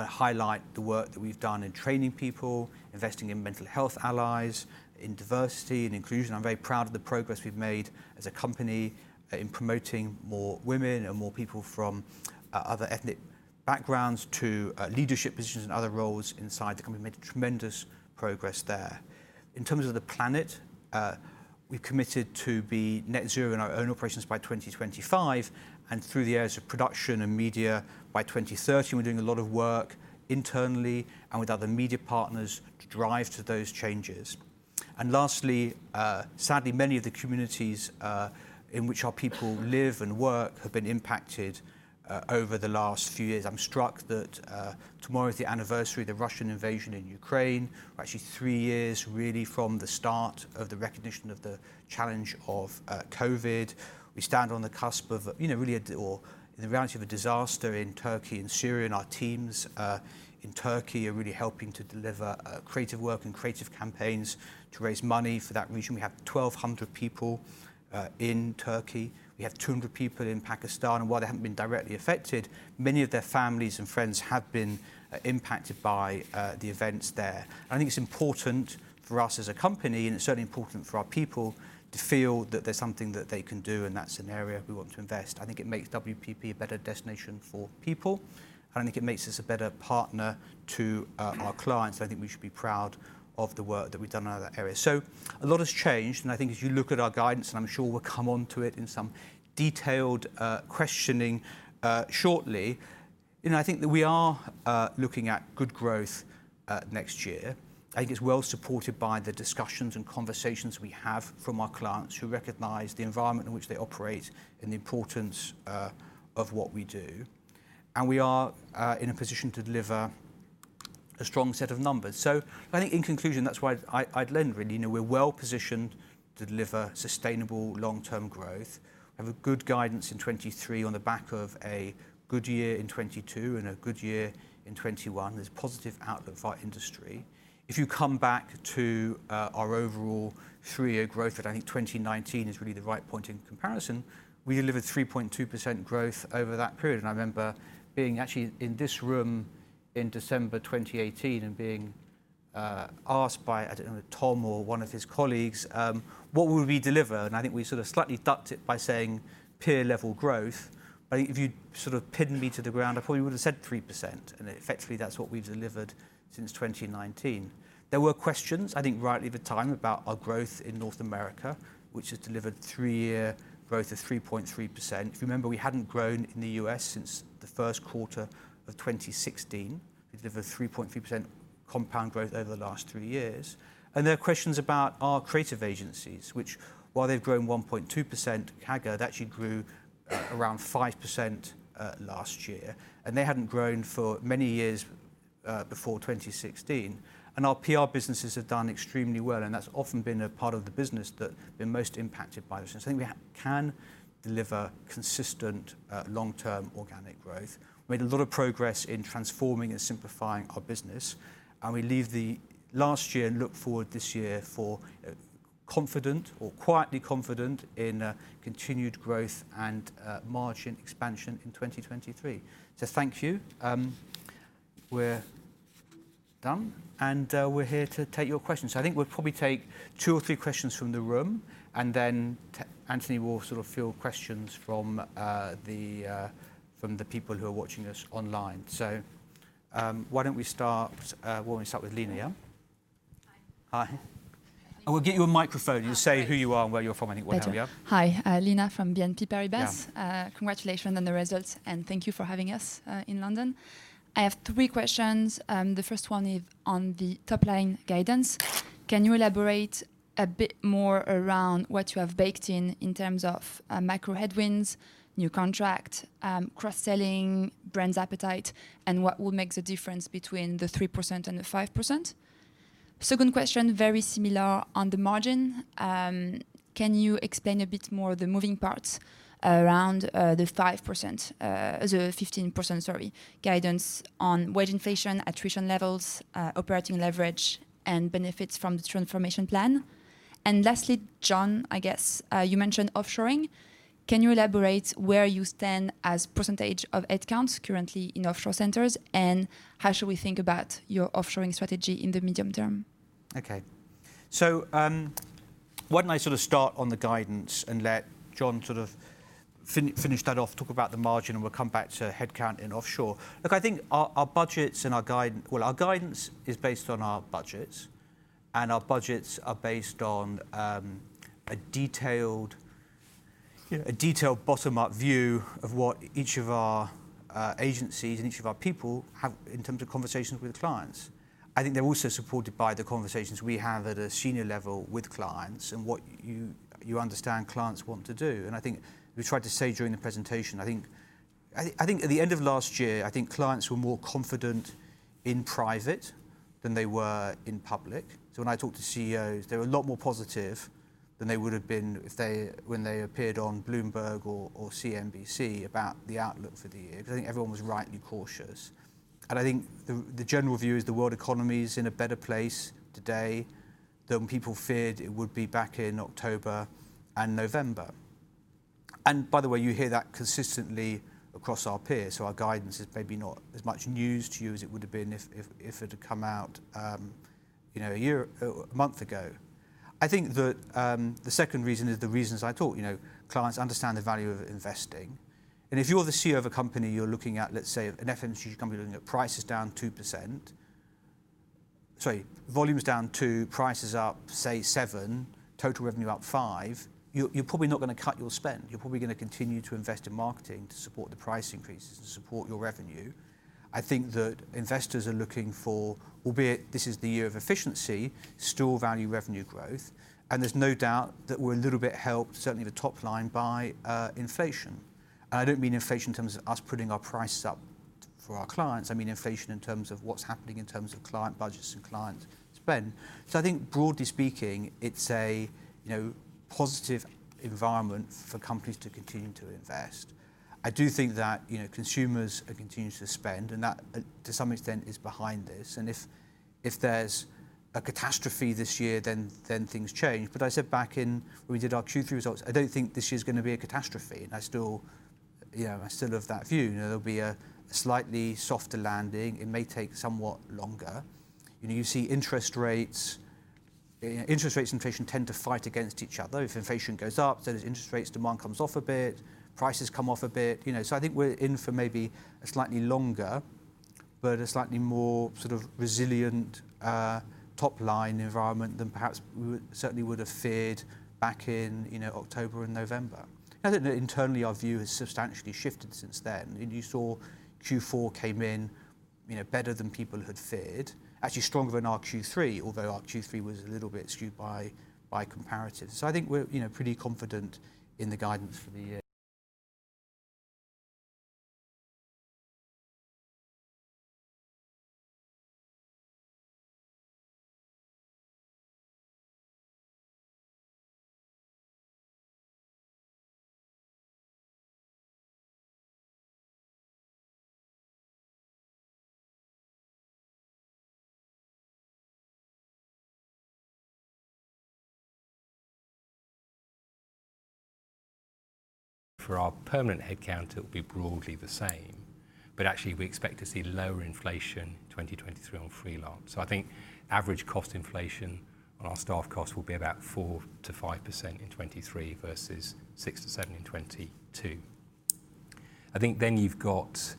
highlight the work that we've done in training people, investing in mental health allies, in diversity and inclusion. I'm very proud of the progress we've made as a company in promoting more women and more people from other ethnic backgrounds to leadership positions and other roles inside the company. Made tremendous progress there. In terms of the planet, we've committed to be net zero in our own operations by 2025, and through the areas of production and media by 2030. We're doing a lot of work internally and with other media partners to drive to those changes. Lastly, sadly, many of the communities in which our people live and work have been impacted over the last few years. I'm struck that tomorrow is the anniversary of the Russian invasion in Ukraine. We're actually three years really from the start of the recognition of the challenge of COVID. We stand on the cusp of, you know, the reality of a disaster in Turkey and Syria, and our teams in Turkey are really helping to deliver creative work and creative campaigns to raise money for that region. We have 1,200 people in Turkey. We have 200 people in Pakistan. While they haven't been directly affected, many of their families and friends have been impacted by the events there. I think it's important for us as a company, and it's certainly important for our people, to feel that there's something that they can do in that scenario. We want to invest. I think it makes WPP a better destination for people, and I think it makes us a better partner to our clients. I think we should be proud of the work that we've done in that area. A lot has changed, and I think as you look at our guidance, and I'm sure we'll come onto it in some detailed questioning shortly, you know, I think that we are looking at good growth next year. I think it's well supported by the discussions and conversations we have from our clients who recognize the environment in which they operate and the importance of what we do. We are in a position to deliver a strong set of numbers. I think in conclusion, that's why I'd lend really. You know, we're well-positioned to deliver sustainable long-term growth. We have a good guidance in 23 on the back of a good year in 22 and a good year in 21. There's positive outlook for our industry. If you come back to our overall three-year growth at, I think, 2019 is really the right point in comparison, we delivered 3.2% growth over that period. I remember being actually in this room in December 2018 and being asked by, I don't know, Tom or one of his colleagues, what would we deliver? I think we sort of slightly ducked it by saying peer-level growth. If you'd sort of pinned me to the ground, I probably would've said 3%, and effectively that's what we've delivered since 2019. There were questions, I think rightly at the time, about our growth in North America, which has delivered three-year growth of 3.3%. If you remember, we hadn't grown in the U.S. since the first quarter of 2016. We delivered 3.3% compound growth over the last three years. There are questions about our creative agencies, which while they've grown 1.2% CAGR, they actually grew around 5% last year, and they hadn't grown for many years before 2016. Our PR businesses have done extremely well, and that's often been a part of the business that have been most impacted by this. I think we can deliver consistent long-term organic growth. We made a lot of progress in transforming and simplifying our business, and we leave the last year and look forward this year for confident or quietly confident in continued growth and margin expansion in 2023. Thank you. We're done, and we're here to take your questions. I think we'll probably take two or three questions from the room, and then Anthony will sort of field questions from the people who are watching us online. Why don't we start, why don't we start with Lina, yeah? Hi. Hi. We'll get you a microphone. You say who you are and where you're from, I think, whatever, yeah. Better. Hi. Lina from BNP Paribas. Yeah. Congratulations on the results, and thank you for having us in London. I have three questions. The first one is on the top-line guidance. Can you elaborate a bit more around what you have baked in in terms of macro headwinds, new contract, cross-selling, brands' appetite, and what will make the difference between the 3% and the 5%? Second question, very similar on the margin. Can you explain a bit more the moving parts around the 5%, the 15%, sorry, guidance on wage inflation, attrition levels, operating leverage, and benefits from the transformation plan? Lastly, John, I guess, you mentioned offshoring. Can you elaborate where you stand as % of headcounts currently in offshore centers, and how should we think about your offshoring strategy in the medium-term? Okay. Why don't I sort of start on the guidance and let John sort of finish that off, talk about the margin, and we'll come back to headcount and offshore. Look, I think our budgets and Well, our guidance is based on our budgets, and our budgets are based on a detailed, you know, a detailed bottom-up view of what each of our agencies and each of our people have in terms of conversations with clients. I think they're also supported by the conversations we have at a senior level with clients and what you understand clients want to do. I think we tried to say during the presentation, I think at the end of last year, I think clients were more confident in private than they were in public. When I talk to CEOs, they're a lot more positive than they would've been if when they appeared on Bloomberg or CNBC about the outlook for the year 'cause I think everyone was rightly cautious. I think the general view is the world economy is in a better place today than people feared it would be back in October and November. By the way, you hear that consistently across our peers, so our guidance is maybe not as much news to you as it would've been if it had come out, you know, a year or a month ago. I think that, the second reason is the reasons I thought. You know, clients understand the value of investing. If you're the CEO of a company, you're looking at, let's say, an FMCG company looking at price is down 2%. Sorry, volume is down 2%, price is up, say, 7%, total revenue up 5%, you're probably not gonna cut your spend. You're probably gonna continue to invest in marketing to support the price increases, to support your revenue. I think that investors are looking for, albeit this is the year of efficiency, still value revenue growth, and there's no doubt that we're a little bit helped, certainly the top line, by inflation. I don't mean inflation in terms of us putting our prices up for our clients, I mean inflation in terms of what's happening in terms of client budgets and client spend. I think broadly speaking, it's a, you know, positive environment for companies to continue to invest. I do think that, you know, consumers are continuing to spend, and that, to some extent is behind this. If there's a catastrophe this year, then things change. I said back in when we did our Q3 results, I don't think this year's gonna be a catastrophe, and I still, you know, I still have that view. You know, there'll be a slightly softer landing. It may take somewhat longer. You know, you see interest rates. You know, interest rates and inflation tend to fight against each other. If inflation goes up, so does interest rates, demand comes off a bit, prices come off a bit. You know, I think we're in for maybe a slightly longer but a slightly more sort of resilient, top-line environment than perhaps we would, certainly would have feared back in, you know, October and November. I don't think that internally our view has substantially shifted since then. You know, you saw Q4 came in, you know, better than people had feared. Actually stronger than our Q3, although our Q3 was a little bit skewed by comparatives. I think we're, you know, pretty confident in the guidance for the year. For our permanent headcount, it will be broadly the same, but actually we expect to see lower inflation 2023 on freelance. I think average cost inflation on our staff costs will be about 4%-5% in 2023 versus 6%-7% in 2022. You've got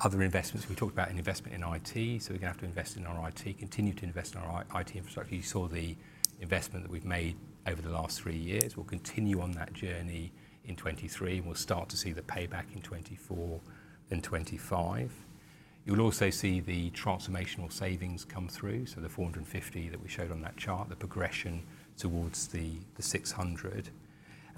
other investments. We talked about an investment in IT, so we're gonna have to invest in our IT, continue to invest in our IT infrastructure. You saw the investment that we've made over the last three years. We'll continue on that journey in 2023, and we'll start to see the payback in 2024 and 2025. You'll also see the transformational savings come through, so the 450 that we showed on that chart, the progression towards the 600.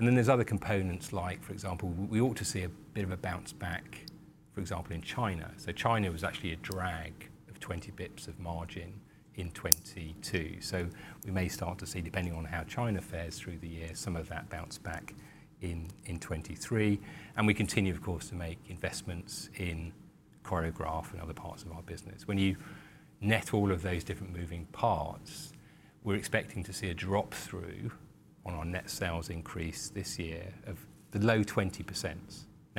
There's other components like, for example, we ought to see a bit of a bounce back, for example, in China. China was actually a drag of 20 basis points of margin in 2022. We may start to see, depending on how China fares through the year, some of that bounce back in 2023. We continue, of course, to make investments in Choreograph and other parts of our business. When you net all of those different moving parts, we're expecting to see a drop through on our net sales increase this year of the low 20%.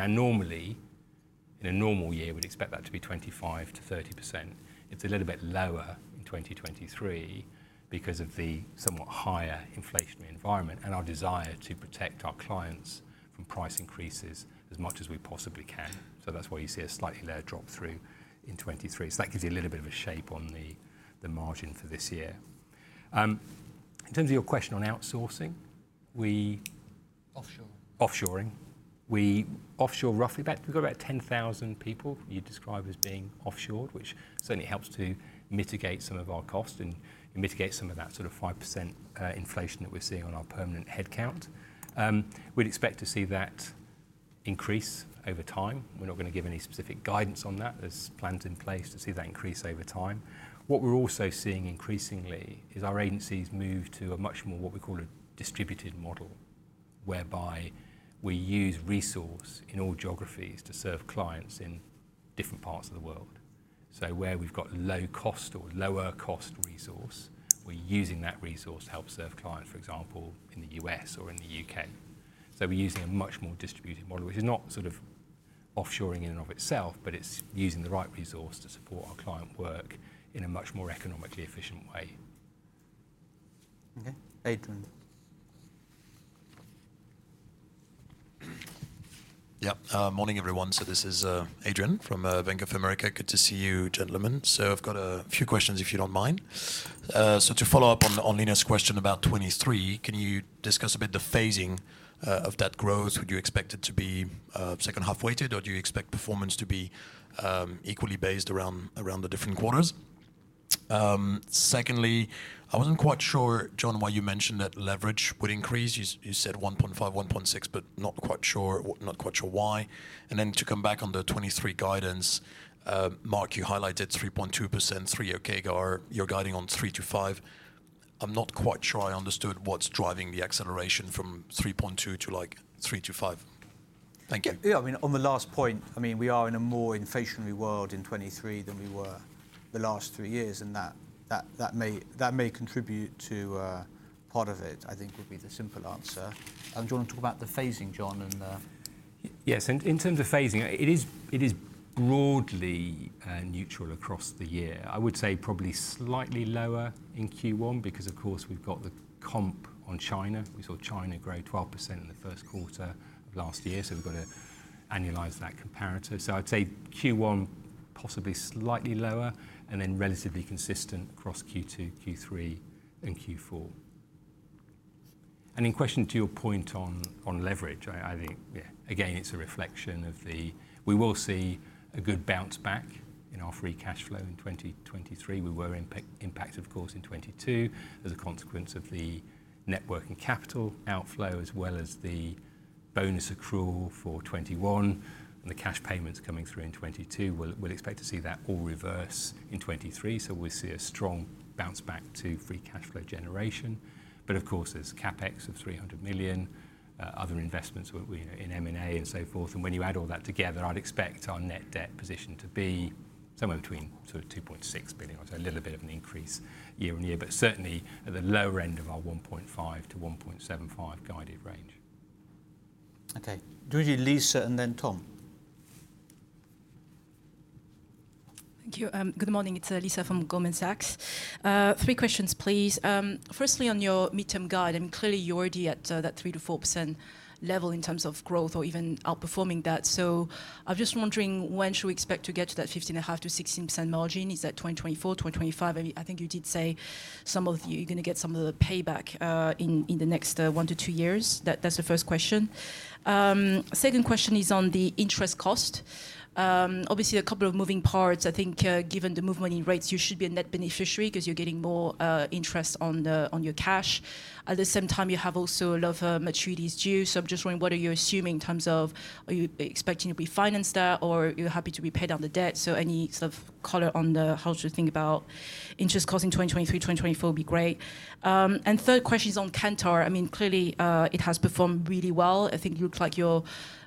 Normally, in a normal year, we'd expect that to be 25%-30%. It's a little bit lower in 2023 because of the somewhat higher inflationary environment and our desire to protect our clients from price increases as much as we possibly can. That's why you see a slightly lower drop through in 23. That gives you a little bit of a shape on the margin for this year. In terms of your question on outsourcing, Offshore. Offshoring. We offshore roughly about We've got about 10,000 people you describe as being offshored, which certainly helps to mitigate some of our cost and mitigate some of that sort of 5%, inflation that we're seeing on our permanent headcount. We'd expect to see that increase over time. We're not gonna give any specific guidance on that. There's plans in place to see that increase over time. What we're also seeing increasingly is our agencies move to a much more what we call a distributed model, whereby we use resource in all geographies to serve clients in different parts of the world. Where we've got low cost or lower cost resource, we're using that resource to help serve clients, for example, in the U.S. or in the U.K.. We're using a much more distributed model. It is not sort of offshoring in and of itself, but it's using the right resource to support our client work in a much more economically efficient way. Okay. Adrian. Morning, everyone. This is Adrian from Bank of America. Good to see you, gentlemen. I've got a few questions, if you don't mind. To follow up on Lina's question about 23, can you discuss a bit the phasing of that growth? Would you expect it to be second half weighted, or do you expect performance to be equally based around the different quarters? Secondly, I wasn't quite sure, John, why you mentioned that leverage would increase. You said 1.5, 1.6, but not quite sure why. To come back on the 23 guidance, Mark, you highlighted 3.2%, three CAGR. You're guiding on 3%-5%. I'm not quite sure I understood what's driving the acceleration from 3.2% to, like, 3%-5%. Thank you. Yeah. Yeah. I mean, on the last point, I mean, we are in a more inflationary world in 23 than we were the last three years, and that may contribute to part of it, I think would be the simple answer. Do you wanna talk about the phasing, John? Yes. In terms of phasing, it is broadly neutral across the year. I would say probably slightly lower in Q1 because, of course, we've got the comp on China. We saw China grow 12% in the first quarter of last year. We've got to annualize that comparator. I'd say Q1 possibly slightly lower and then relatively consistent across Q2, Q3, and Q4. In question to your point on leverage, I think, again, it's a reflection of the... We will see a good bounce back in our free cash flow in 2023. We were impacted, of course, in 22 as a consequence of the net working capital outflow as well as the bonus accrual for 21 and the cash payments coming through in 22. We'll expect to see that all reverse in 2023, so we'll see a strong bounce back to free cash flow generation. Of course, there's CapEx of 300 million, other investments in M&A and so forth. When you add all that together, I'd expect our net debt position to be somewhere between sort of 2.6 billion, so a little bit of an increase year-on-year. Certainly at the lower end of our 1.5 billion-1.75 billion guided range. Okay. Through to Lisa and then Tom. Thank you. Good morning. It's Lisa from Goldman Sachs. Three questions, please. Firstly, on your mid-term guide, I mean, clearly you're already at that 3%-4% level in terms of growth or even outperforming that. I'm just wondering when should we expect to get to that 15.5%-16% margin. Is that 2024, 2025? I mean, I think you did say some of you're gonna get some of the payback in the next one to two years. That's the first question. Second question is on the interest cost. Obviously a couple of moving parts. Given the movement in rates, you should be a net beneficiary 'cause you're getting more interest on the, on your cash. At the same time, you have also a lot of maturities due. I'm just wondering what are you assuming in terms of are you expecting to refinance that or you're happy to repay down the debt? Any sort of color on the, how to think about interest cost in 2023, 2024 would be great. Third question is on Kantar. Clearly, it has performed really well. It looks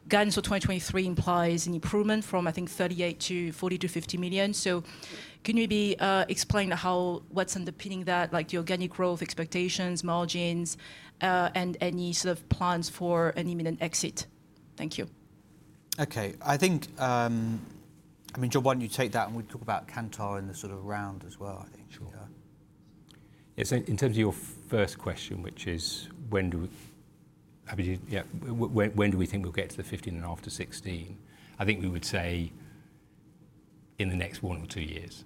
like your guidance for 2023 implies an improvement from 38 million to 40 million to 50 million. Can you maybe explain how, what's underpinning that, like the organic growth expectations, margins, and any sort of plans for an imminent exit? Thank you. Okay. I think, I mean, John, why don't you take that, and we can talk about Kantar in the sort of round as well, I think. Sure. Yeah. In terms of your first question, which is when do we think we'll get to the 15.5%-16%? I think we would say in the next one or two years.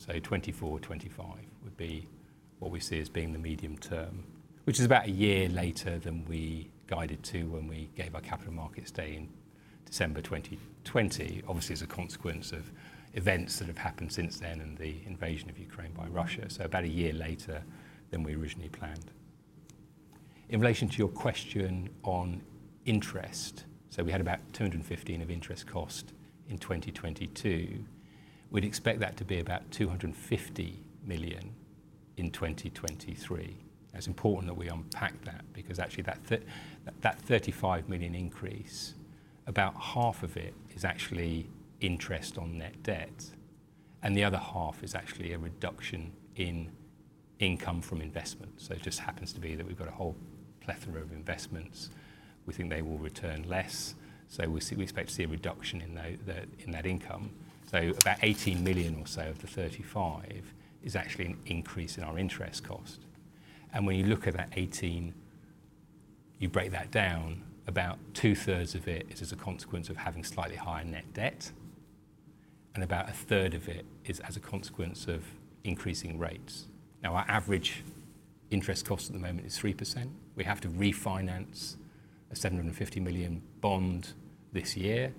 2024, 2025 would be what we see as being the medium-term, which is about a year later than we guided to when we gave our Capital Markets Day in December 2020. Obviously, as a consequence of events that have happened since then and the invasion of Ukraine by Russia. About a year later than we originally planned. In relation to your question on interest, so we had about 215 of interest cost in 2022. We'd expect that to be about 250 million in 2023. It's important that we unpack that because actually that 35 million increase, about half of it is actually interest on net debt, and the other half is actually a reduction in income from investment. It just happens to be that we've got a whole plethora of investments. We think they will return less, we expect to see a reduction in the, in that income. About 18 million or so of the 35 is actually an increase in our interest cost. When you look at that 18, you break that down, about two-thirds of it is as a consequence of having slightly higher net debt, and about a third of it is as a consequence of increasing rates. Our average interest cost at the moment is 3%. We have to refinance a 750 million bond this year.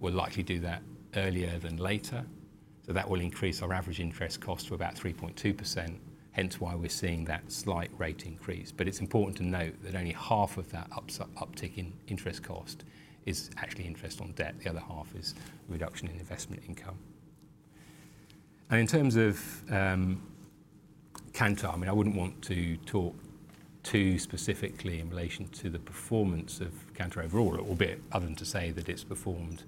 We'll likely do that earlier than later. That will increase our average interest cost to about 3.2%, hence why we're seeing that slight rate increase. It's important to note that only half of that uptick in interest cost is actually interest on debt. The other half is reduction in investment income. In terms of, I mean, I wouldn't want to talk too specifically in relation to the performance of Kantar overall, albeit other than to say that it's performed,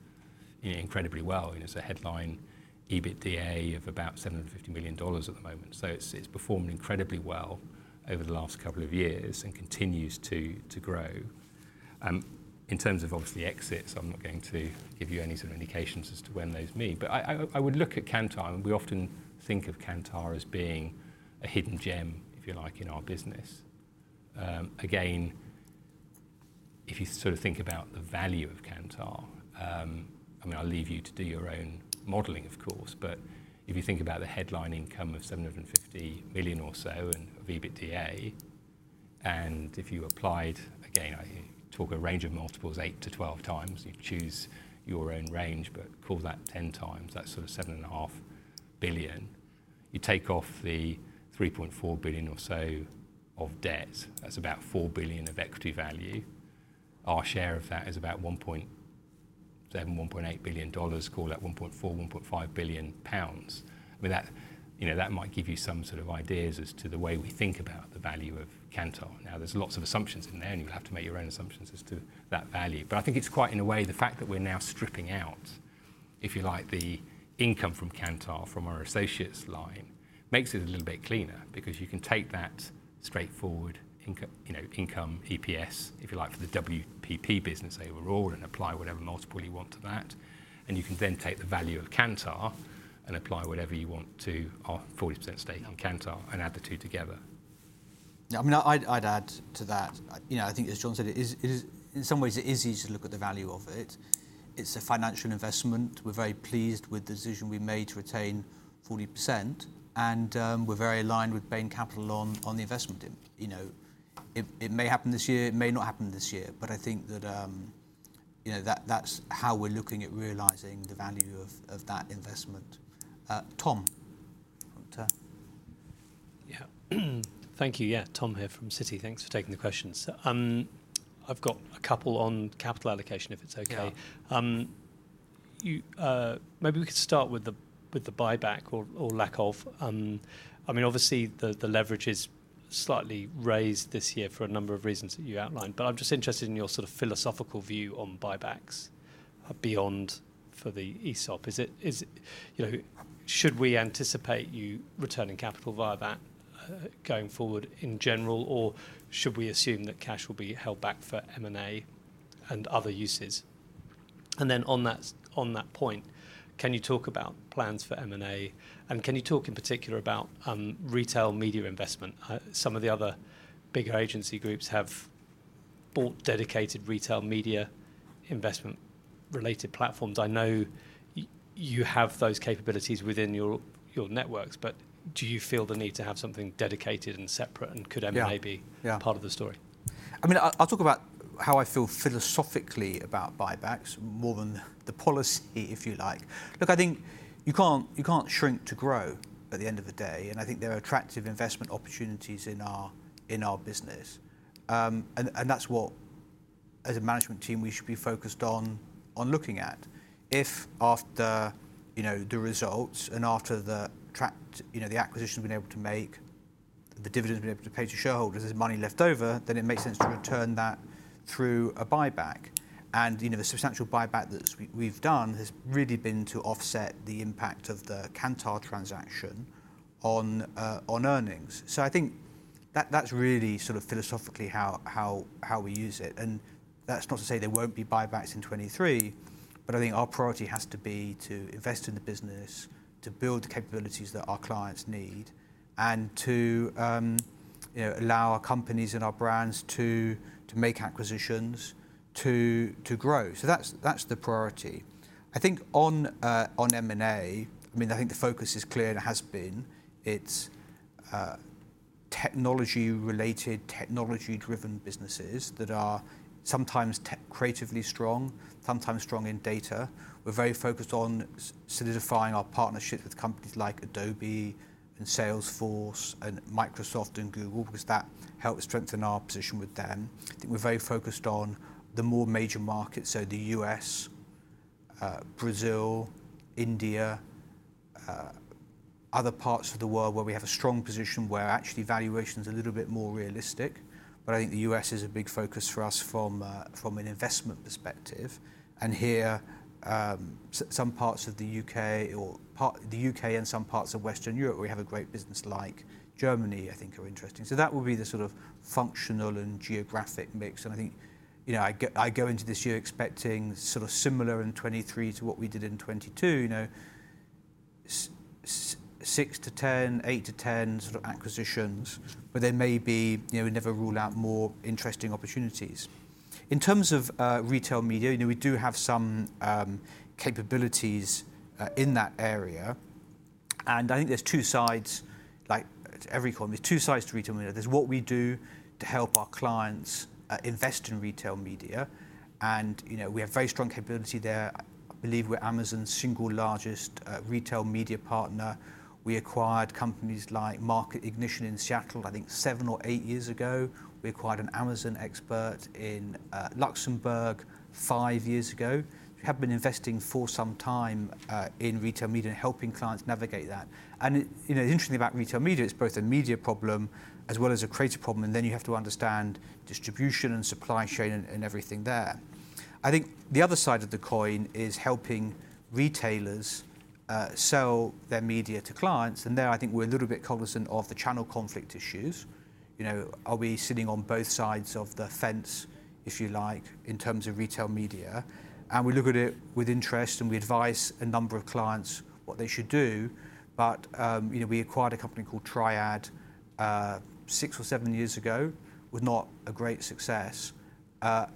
you know, incredibly well. You know, it's a headline EBITDA of about $750 million at the moment. It's performed incredibly well over the last couple of years and continues to grow. In terms of, obviously, exits, I'm not going to give you any sort of indications as to when those may. I would look at Kantar, and we often think of Kantar as being a hidden gem, if you like, in our business. Again, if you sort of think about the value of Kantar, I mean, I'll leave you to do your own modeling, of course, but if you think about the headline income of 750 million or so in EBITDA, and if you applied, again, I talk a range of multiples, 8-12x. You choose your own range, but call that 10x. That's sort of 7.5 billion. You take off the 3.4 billion or so of debt. That's about 4 billion of equity value. Our share of that is about $1.7 billion-$1.8 billion. Call that 1.4 billion-1.5 billion pounds. I mean, that, you know, that might give you some sort of ideas as to the way we think about the value of Kantar. There's lots of assumptions in there, and you'll have to make your own assumptions as to that value. I think it's quite, in a way, the fact that we're now stripping out, if you like, the income from Kantar, from our associates line, makes it a little bit cleaner because you can take that straightforward income, EPS, if you like, for the WPP business overall and apply whatever multiple you want to that. You can then take the value of Kantar and apply whatever you want to our 40% stake on Kantar and add the two together. Yeah. I mean, I'd add to that. You know, I think as John said, in some ways, it is easy to look at the value of it. It's a financial investment. We're very pleased with the decision we made to retain 40%, and we're very aligned with Bain Capital on the investment. You know, it may happen this year, it may not happen this year. I think that, you know, that's how we're looking at realizing the value of that investment. Tom. Yeah. Thank you. Yeah. Tom here from Citi. Thanks for taking the questions. I've got a couple on capital allocation, if it's okay. Yeah. Maybe we could start with the buyback or lack of. I mean, obviously, the leverage is slightly raised this year for a number of reasons that you outlined. I'm just interested in your sort of philosophical view on buybacks beyond for the ESOP. Is it, you know, should we anticipate you returning capital via that going forward in general, or should we assume that cash will be held back for M&A and other uses? On that point, can you talk about plans for M&A, and can you talk in particular about retail media investment? Some of the other bigger agency groups have bought dedicated retail media investment related platforms. I know you have those capabilities within your networks, but do you feel the need to have something dedicated and separate, and could M&A? Yeah be part of the story? I mean, I'll talk about how I feel philosophically about buybacks more than the policy, if you like. Look, I think you can't shrink to grow at the end of the day, and I think there are attractive investment opportunities in our business. That's what, as a management team, we should be focused on looking at. If after, you know, the results and after, you know, the acquisitions we've been able to make, the dividends we've been able to pay to shareholders, there's money left over, then it makes sense to return that through a buyback. You know, the substantial buyback that we've done has really been to offset the impact of the Kantar transaction on earnings. I think that's really sort of philosophically how we use it. That's not to say there won't be buybacks in 2023, but I think our priority has to be to invest in the business, to build the capabilities that our clients need, and to, you know, allow our companies and our brands to make acquisitions to grow. That's the priority. I think on M&A, I mean, I think the focus is clear and has been. It's technology related, technology driven businesses that are sometimes creatively strong, sometimes strong in data. We're very focused on solidifying our partnerships with companies like Adobe and Salesforce and Microsoft and Google because that helps strengthen our position with them. I think we're very focused on the more major markets, so the U.S., Brazil, India, other parts of the world where we have a strong position where actually valuation's a little bit more realistic. I think the U.S. is a big focus for us from an investment perspective. Here, some parts of the U.K. or the U.K. and some parts of Western Europe, we have a great business like Germany, I think are interesting. That will be the sort of functional and geographic mix. I think, you know, I go into this year expecting sort of similar in 23 to what we did in 22. You know, six to 10, eight to 10 sort of acquisitions. There may be, you know, we never rule out more interesting opportunities. In terms of retail media, you know, we do have some capabilities in that area. I think there's two sides, like every coin, there's two sides to retail media. There's what we do to help our clients, invest in retail media, and, you know, we have very strong capability there. I believe we're Amazon's single largest retail media partner. We acquired companies like Marketplace Ignition in Seattle, I think seven or eight years ago. We acquired an Amazon expert in Luxembourg five years ago. We have been investing for some time in retail media and helping clients navigate that. You know, the interesting thing about retail media, it's both a media problem as well as a creative problem, and then you have to understand distribution and supply chain and everything there. I think the other side of the coin is helping retailers sell their media to clients, and there I think we're a little bit cognizant of the channel conflict issues. You know, are we sitting on both sides of the fence, if you like, in terms of retail media? We look at it with interest, and we advise a number of clients what they should do. You know, we acquired a company called Triad, six or seven years ago, was not a great success. I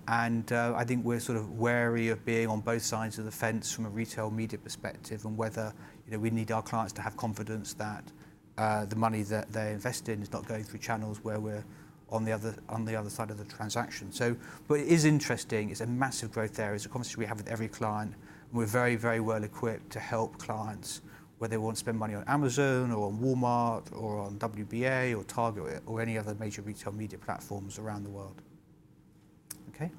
think we're sort of wary of being on both sides of the fence from a retail media perspective on whether, you know, we need our clients to have confidence that, the money that they're investing is not going through channels where we're on the other side of the transaction. It is interesting. It's a massive growth area. It's a conversation we have with every client. We're very, very well equipped to help clients, whether they want to spend money on Amazon or on Walmart or on WBA or Target or any other major retail media platforms around the world. Okay.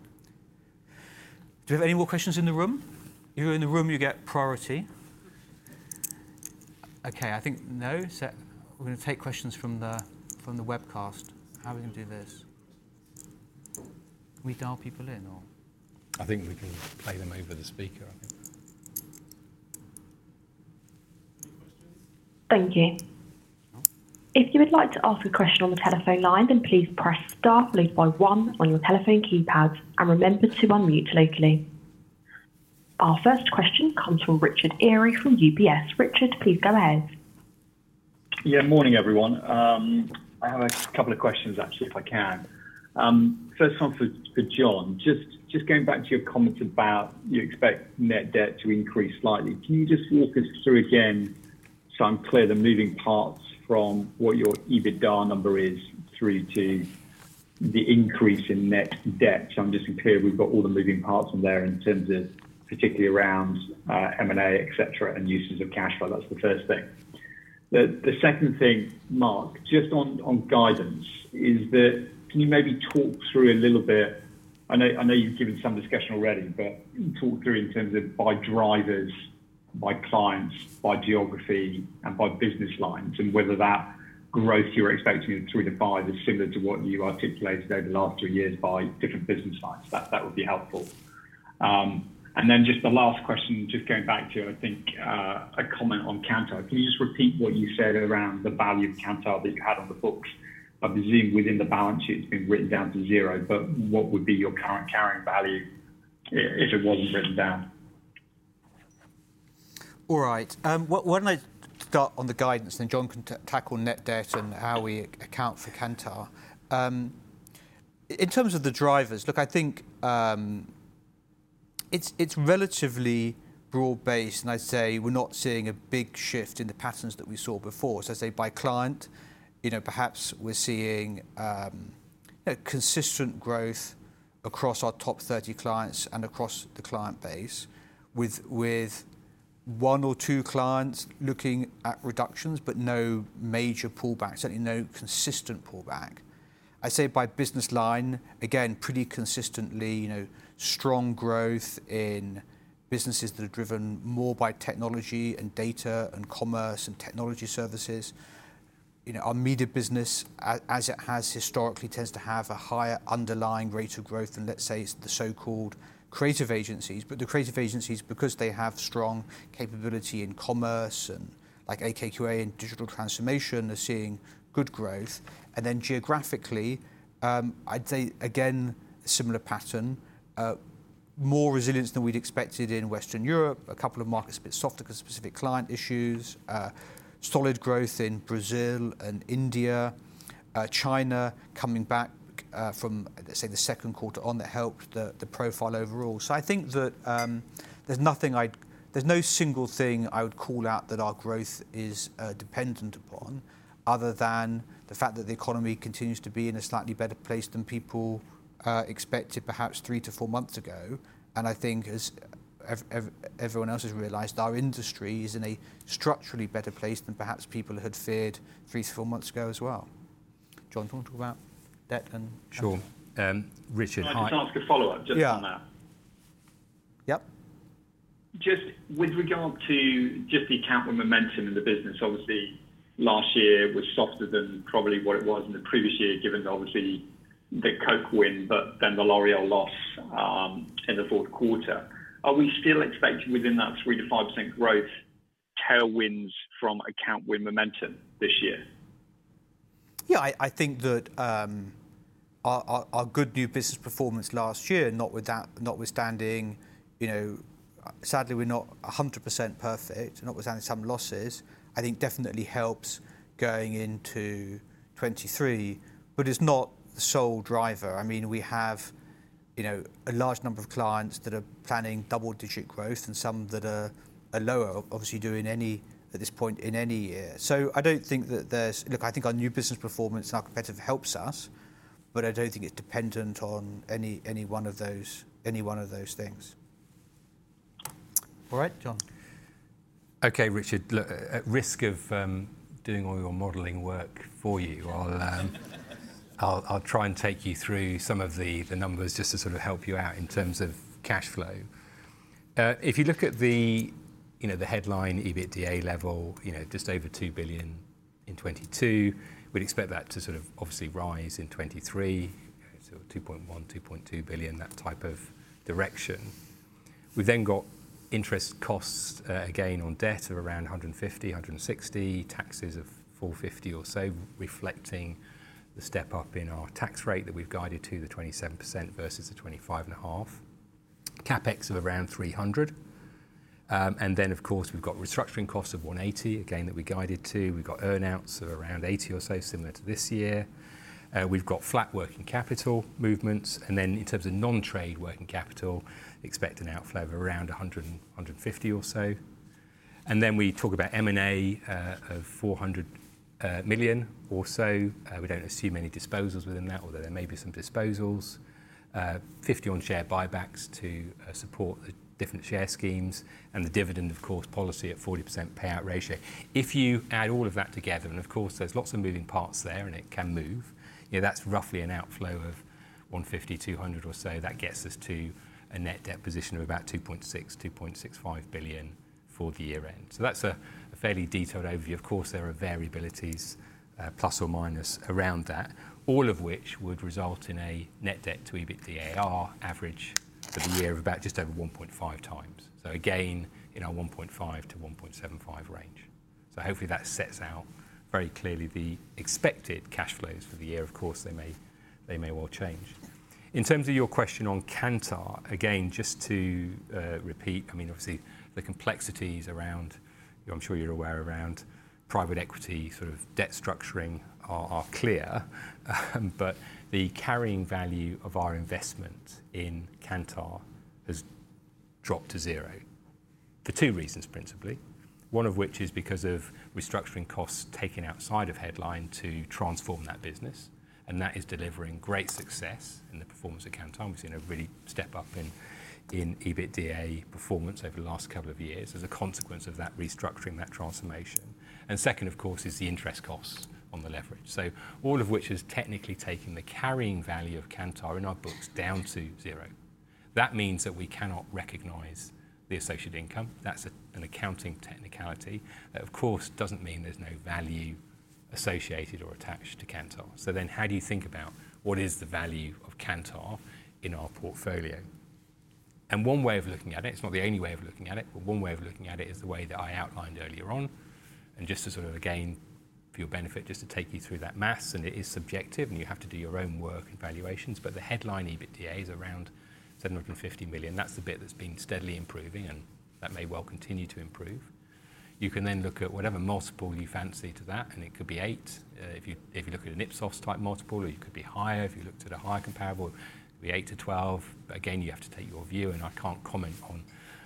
Do we have any more questions in the room? If you're in the room, you get priority. Okay. I think no. We're gonna take questions from the webcast. How are we gonna do this? Can we dial people in or? I think we can play them over the speaker, I think. Any questions? Thank you. If you would like to ask a question on the telephone line, then please press star followed by one on your telephone keypad and remember to unmute locally. Our first question comes from Richard Eary from UBS. Richard, please go ahead. Morning, everyone. I have a couple of questions actually, if I can. First one for John. Just going back to your comment about you expect net debt to increase slightly. Can you just walk us through again so I'm clear the moving parts from what your EBITDA number is through to the increase in net debt so I'm just clear we've got all the moving parts on there in terms of particularly around M&A, et cetera, and uses of cash flow. That's the first thing. The second thing, Mark, just on guidance, is that can you maybe talk through a little bit... I know you've given some discussion already, but can you talk through in terms of by drivers, by clients, by geography and by business lines and whether that growth you're expecting through to 2025 is similar to what you articulated over the last three years by different business lines? That would be helpful. Then just the last question, just going back to, I think, a comment on Kantar. Can you just repeat what you said around the value of Kantar that you had on the books? I presume within the balance sheet it's been written down to zero, but what would be your current carrying value if it wasn't written down? All right. Why don't I start on the guidance, then John can tackle net debt and how we account for Kantar. In terms of the drivers, look, I think, It's, it's relatively broad-based, and I'd say we're not seeing a big shift in the patterns that we saw before. I'd say by client, you know, perhaps we're seeing, you know, consistent growth across our top 30 clients and across the client base with one or two clients looking at reductions, but no major pullbacks, certainly no consistent pullback. I'd say by business line, again, pretty consistently, you know, strong growth in businesses that are driven more by technology and data and commerce and technology services. You know, our media business, as it has historically, tends to have a higher underlying rate of growth than, let's say, the so-called creative agencies. The creative agencies, because they have strong capability in commerce and like AKQA in digital transformation, are seeing good growth. Geographically, I'd say again, a similar pattern. More resilience than we'd expected in Western Europe. A couple of markets a bit softer 'cause of specific client issues. Solid growth in Brazil and India. China coming back, from, let's say, the second quarter on that helped the profile overall. I think that, there's no single thing I would call out that our growth is dependent upon other than the fact that the economy continues to be in a slightly better place than people expected perhaps three to four months ago. I think as everyone else has realized, our industry is in a structurally better place than perhaps people had feared three to four months ago as well. John, do you want to talk about debt and cash flow? Sure. Richard, hi. Can I just ask a follow-up just on that? Yeah. Yep. Just with regard to just the account win momentum in the business, obviously last year was softer than probably what it was in the previous year, given obviously the Coca-Cola win, but then the L'Oréal loss, in the fourth quarter. Are we still expecting within that 3%-5% growth tailwinds from account win momentum this year? Yeah, I think that our good new business performance last year, notwithstanding, you know, sadly, we're not 100% perfect, notwithstanding some losses, I think definitely helps going into 2023, but it's not the sole driver. I mean, we have, you know, a large number of clients that are planning double-digit growth and some that are lower, obviously you do in any at this point in any year. I don't think that there's. Look, I think our new business performance and our competitive helps us, but I don't think it's dependent on any one of those things. All right, John. Okay, Richard. Look, at risk of doing all your modeling work for you, I'll try and take you through some of the numbers just to sort of help you out in terms of cash flow. If you look at the, you know, the headline EBITDA level, you know, just over 2 billion in 2022. We'd expect that to sort of obviously rise in 2023. Two point one, 2.1 billion-2.2 billion, that type of direction. We've then got interest costs, again, on debt of around 150-160. Taxes of 450 or so reflecting the step-up in our tax rate that we've guided to the 27% versus the 25.5%. CapEx of around 300. Then, of course, we've got restructuring costs of 180, again, that we guided to. We've got earn outs of around 80 or so, similar to this year. We've got flat working capital movements. In terms of non-trade working capital, expect an outflow of around 150 or so. We talk about M&A of 400 million or so. We don't assume any disposals within that, although there may be some disposals. 50 on share buybacks to support the different share schemes, and the dividend, of course, policy at 40% payout ratio. If you add all of that together, and of course, there's lots of moving parts there, and it can move. You know, that's roughly an outflow of 150-200 or so. That gets us to a net debt position of about 2.6-2.65 billion for the year end. That's a fairly detailed overview. Of course, there are variabilities, plus or minus around that, all of which would result in a net debt to EBITDA average for the year of about just over 1.5 times. Again, in our 1.5-1.75 range. Hopefully that sets out very clearly the expected cash flows for the year. Of course, they may well change. In terms of your question on Kantar, again, just to repeat, I mean, obviously the complexities around, I'm sure you're aware around private equity, sort of debt structuring are clear. The carrying value of our investment in Kantar has dropped to zero for two reasons principally. One of which is because of restructuring costs taken outside of headline to transform that business, and that is delivering great success in the performance of Kantar. We've seen a really step up in EBITDA performance over the last couple of years as a consequence of that restructuring, that transformation. Second, of course, is the interest costs on the leverage. All of which is technically taking the carrying value of Kantar in our books down to zero. That means that we cannot recognize the associated income. That's an accounting technicality. That, of course, doesn't mean there's no value associated or attached to Kantar. How do you think about what is the value of Kantar in our portfolio? One way of looking at it's not the only way of looking at it, but one way of looking at it is the way that I outlined earlier on. Just to sort of again, for your benefit, just to take you through that math, and it is subjective, and you have to do your own work and valuations, but the headline EBITDA is around 750 million. That's the bit that's been steadily improving, and that may well continue to improve. You can then look at whatever multiple you fancy to that, and it could be eight, if you, if you look at an Ipsos type multiple, or it could be higher if you looked at a higher comparable, it could be eight to 12. Again, you have to take your view, and I can't comment on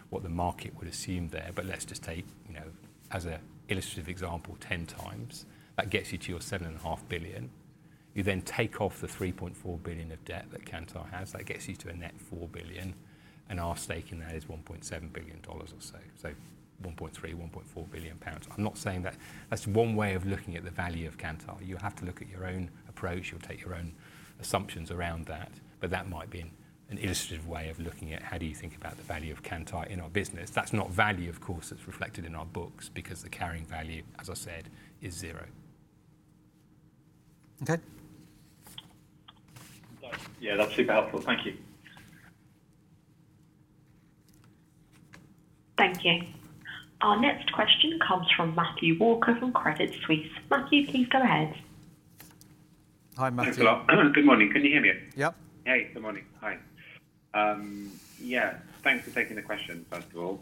what the market would assume there. Let's just take, you know, as an illustrative example, 10 times. That gets you to your 7.5 billion. You then take off the 3.4 billion of debt that Kantar has. That gets you to a net 4 billion, and our stake in that is $1.7 billion or so. 1.3 billion pounds, 1.4 billion pounds. I'm not saying that. That's one way of looking at the value of Kantar. You have to look at your own approach. You'll take your own assumptions around that, but that might be an illustrative way of looking at how do you think about the value of Kantar in our business. That's not value, of course, that's reflected in our books because the carrying value, as I said, is zero. Okay. Yeah, that's super helpful. Thank you. Thank you. Our next question comes from Matthew Walker from Credit Suisse. Matthew, please go ahead. Hi, Matthew. Thanks a lot. Good morning. Can you hear me? Yep. Hey, good morning. Hi. Yeah, thanks for taking the question, first of all.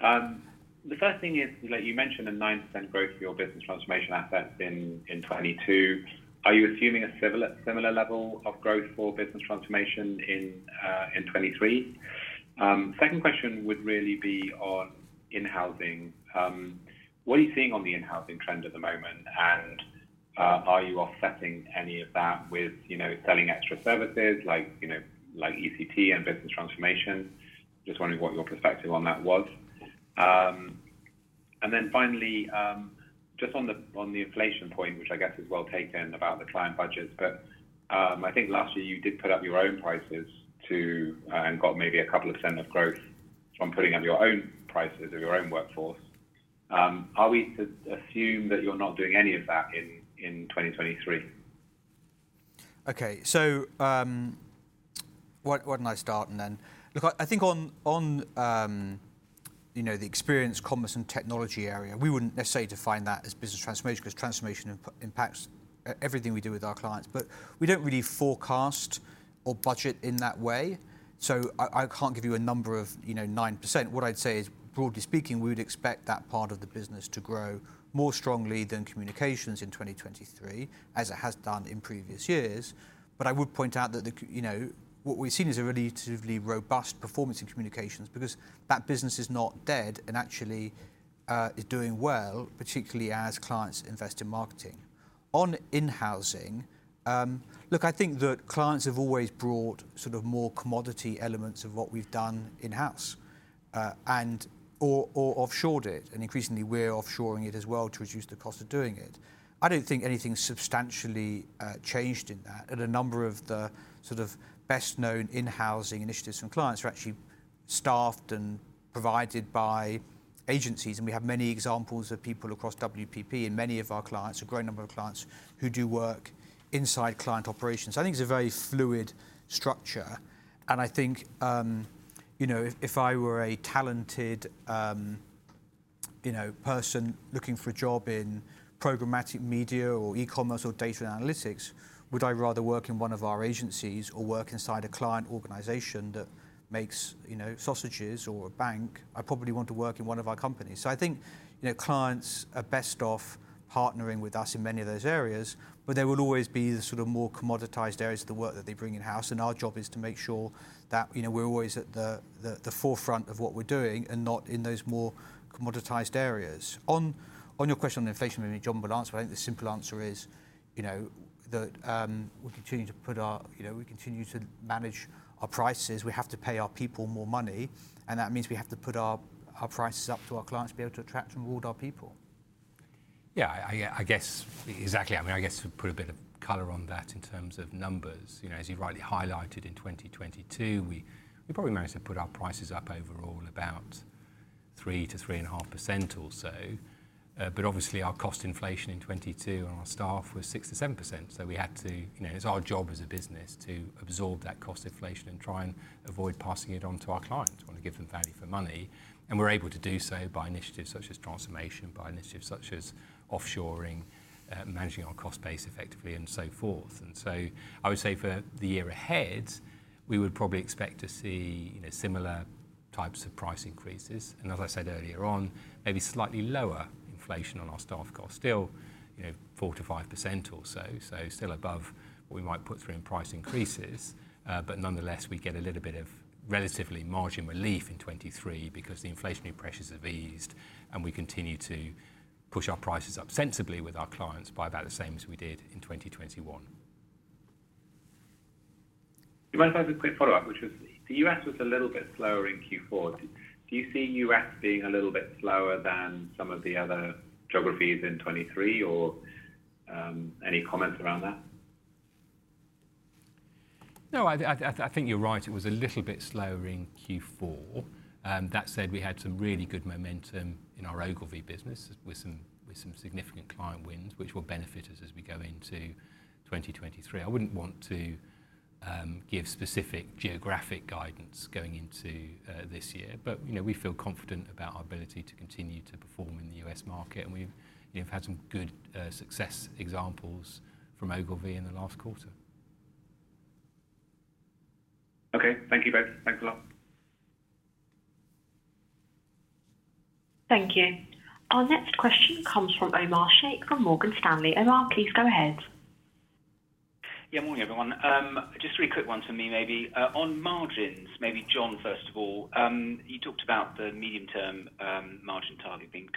The first thing is, like you mentioned, a 9% growth for your business transformation assets in 2022. Are you assuming a similar level of growth for business transformation in 2023? Second question would really be on in-housing. What are you seeing on the in-housing trend at the moment, and are you offsetting any of that with, you know, selling extra services like, you know, like ECT and business transformation? Just wondering what your perspective on that was. Then finally, just on the inflation point, which I guess is well taken about the client budgets. I think last year you did put up your own prices to, and got maybe a couple of % of growth from putting up your own prices of your own workforce. Are we to assume that you're not doing any of that in 2023? Okay. Where can I start? Look, I think on, you know, the experience commerce and technology area, we wouldn't necessarily define that as business transformation 'cause transformation impacts everything we do with our clients. We don't really forecast or budget in that way. I can't give you a number of, you know, 9%. What I'd say is, broadly speaking, we would expect that part of the business to grow more strongly than communications in 2023, as it has done in previous years. I would point out that, you know, what we've seen is a relatively robust performance in communications because that business is not dead and actually, is doing well, particularly as clients invest in marketing. On in-housing, look, I think that clients have always brought sort of more commodity elements of what we've done in-house, and or offshored it, and increasingly we're offshoring it as well to reduce the cost of doing it. I don't think anything substantially changed in that. A number of the sort of best known in-housing initiatives from clients are actually staffed and provided by agencies, and we have many examples of people across WPP and many of our clients, a growing number of clients, who do work inside client operations. I think it's a very fluid structure, and I think, you know, if I were a talented, you know, person looking for a job in programmatic media or e-commerce or data analytics, would I rather work in one of our agencies or work inside a client organization that makes, you know, sausages or a bank? I probably want to work in one of our companies. I think, you know, clients are best off partnering with us in many of those areas, but there will always be the sort of more commoditized areas of the work that they bring in-house, and our job is to make sure that, you know, we're always at the forefront of what we're doing and not in those more commoditized areas. On your question on inflation, I mean, John will answer, but I think the simple answer is, you know, that we continue to manage our prices. We have to pay our people more money. That means we have to put our prices up to our clients to be able to attract and reward our people. I guess exactly. I mean, I guess to put a bit of color on that in terms of numbers. You know, as you rightly highlighted, in 2022, we probably managed to put our prices up overall about 3%-3.5% or so. Obviously our cost inflation in 2022 on our staff was 6%-7%, we had to, you know, it's our job as a business to absorb that cost inflation and try and avoid passing it on to our clients. We want to give them value for money, we're able to do so by initiatives such as transformation, by initiatives such as offshoring, managing our cost base effectively, and so forth. I would say for the year ahead, we would probably expect to see, you know, similar types of price increases and, as I said earlier on, maybe slightly lower inflation on our staff costs. Still, you know, 4%-5% or so. Still above what we might put through in price increases. Nonetheless, we get a little bit of relatively margin relief in 2023 because the inflationary pressures have eased, and we continue to push our prices up sensibly with our clients by about the same as we did in 2021. You mind if I have a quick follow-up, which was the U.S. was a little bit slower in Q4. Do you see U.S. being a little bit slower than some of the other geographies in 2023 or, any comments around that? No, I think you're right. It was a little bit slower in Q4. That said, we had some really good momentum in our Ogilvy business with some significant client wins, which will benefit us as we go into 2023. I wouldn't want to give specific geographic guidance going into this year, but, you know, we feel confident about our ability to continue to perform in the U.S. market, and we've, you know, had some good success examples from Ogilvy in the last quarter. Okay. Thank you both. Thanks a lot. Thank you. Our next question comes from Omar Sheikh from Morgan Stanley. Omar, please go ahead. Yeah. Morning, everyone. Just three quick ones for me, maybe. On margins, maybe John, first of all, you talked about the medium-term margin target being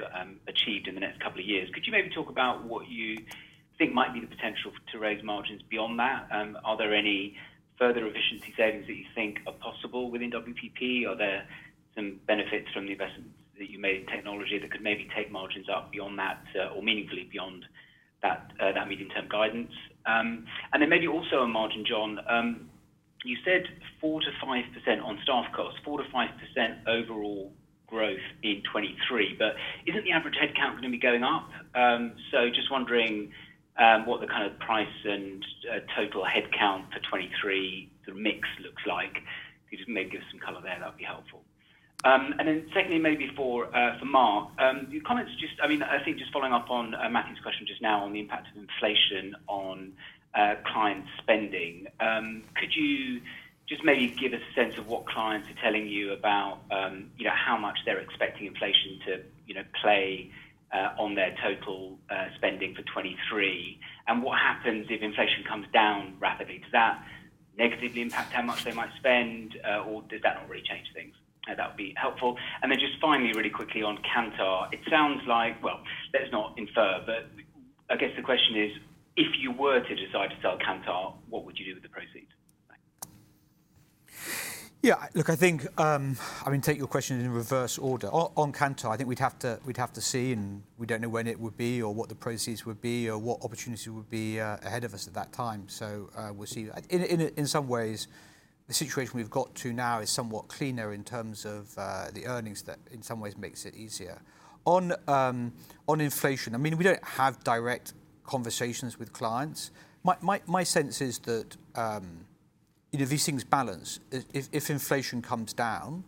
achieved in the next couple of years. Could you maybe talk about what you think might be the potential to raise margins beyond that? Are there any further efficiency savings that you think are possible within WPP? Are there some benefits from the investments that you made in technology that could maybe take margins up beyond that, or meaningfully beyond that medium-term guidance? Maybe also on margin, John, you said 4%-5% on staff costs, 4%-5% overall growth in 2023, isn't the average headcount gonna be going up? So just wondering what the kind of price and total headcount for 2023, the mix looks like. If you just maybe give some color there, that'd be helpful. Then secondly, maybe for Mark, your comments just... I mean, I think just following up on Matthew's question just now on the impact of inflation on client spending, could you just maybe give a sense of what clients are telling you about, you know, how much they're expecting inflation to, you know, play on their total spending for 2023? What happens if inflation comes down rapidly? Does that negatively impact how much they might spend, or does that not really change things? That would be helpful. Then just finally, really quickly on Kantar, it sounds like... Let's not infer, but I guess the question is, if you were to decide to sell Kantar, what would you do with the proceeds? Thanks. Look, I think, I mean, take your question in reverse order. On Kantar, I think we'd have to see, and we don't know when it would be or what the proceeds would be or what opportunity would be ahead of us at that time. We'll see. In some ways, the situation we've got to now is somewhat cleaner in terms of the earnings that in some ways makes it easier. On inflation, I mean, we don't have direct conversations with clients. My sense is that, you know, these things balance. If inflation comes down,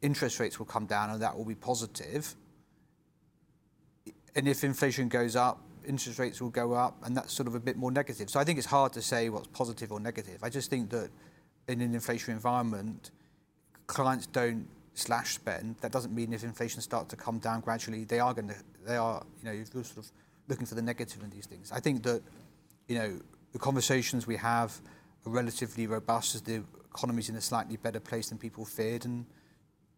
interest rates will come down, and that will be positive. If inflation goes up, interest rates will go up, and that's sort of a bit more negative. I think it's hard to say what's positive or negative. I just think that in an inflationary environment, clients don't slash spend. That doesn't mean if inflation start to come down gradually, They are, you know. You're sort of looking for the negative in these things. I think that, you know, the conversations we have are relatively robust as the economy's in a slightly better place than people feared, and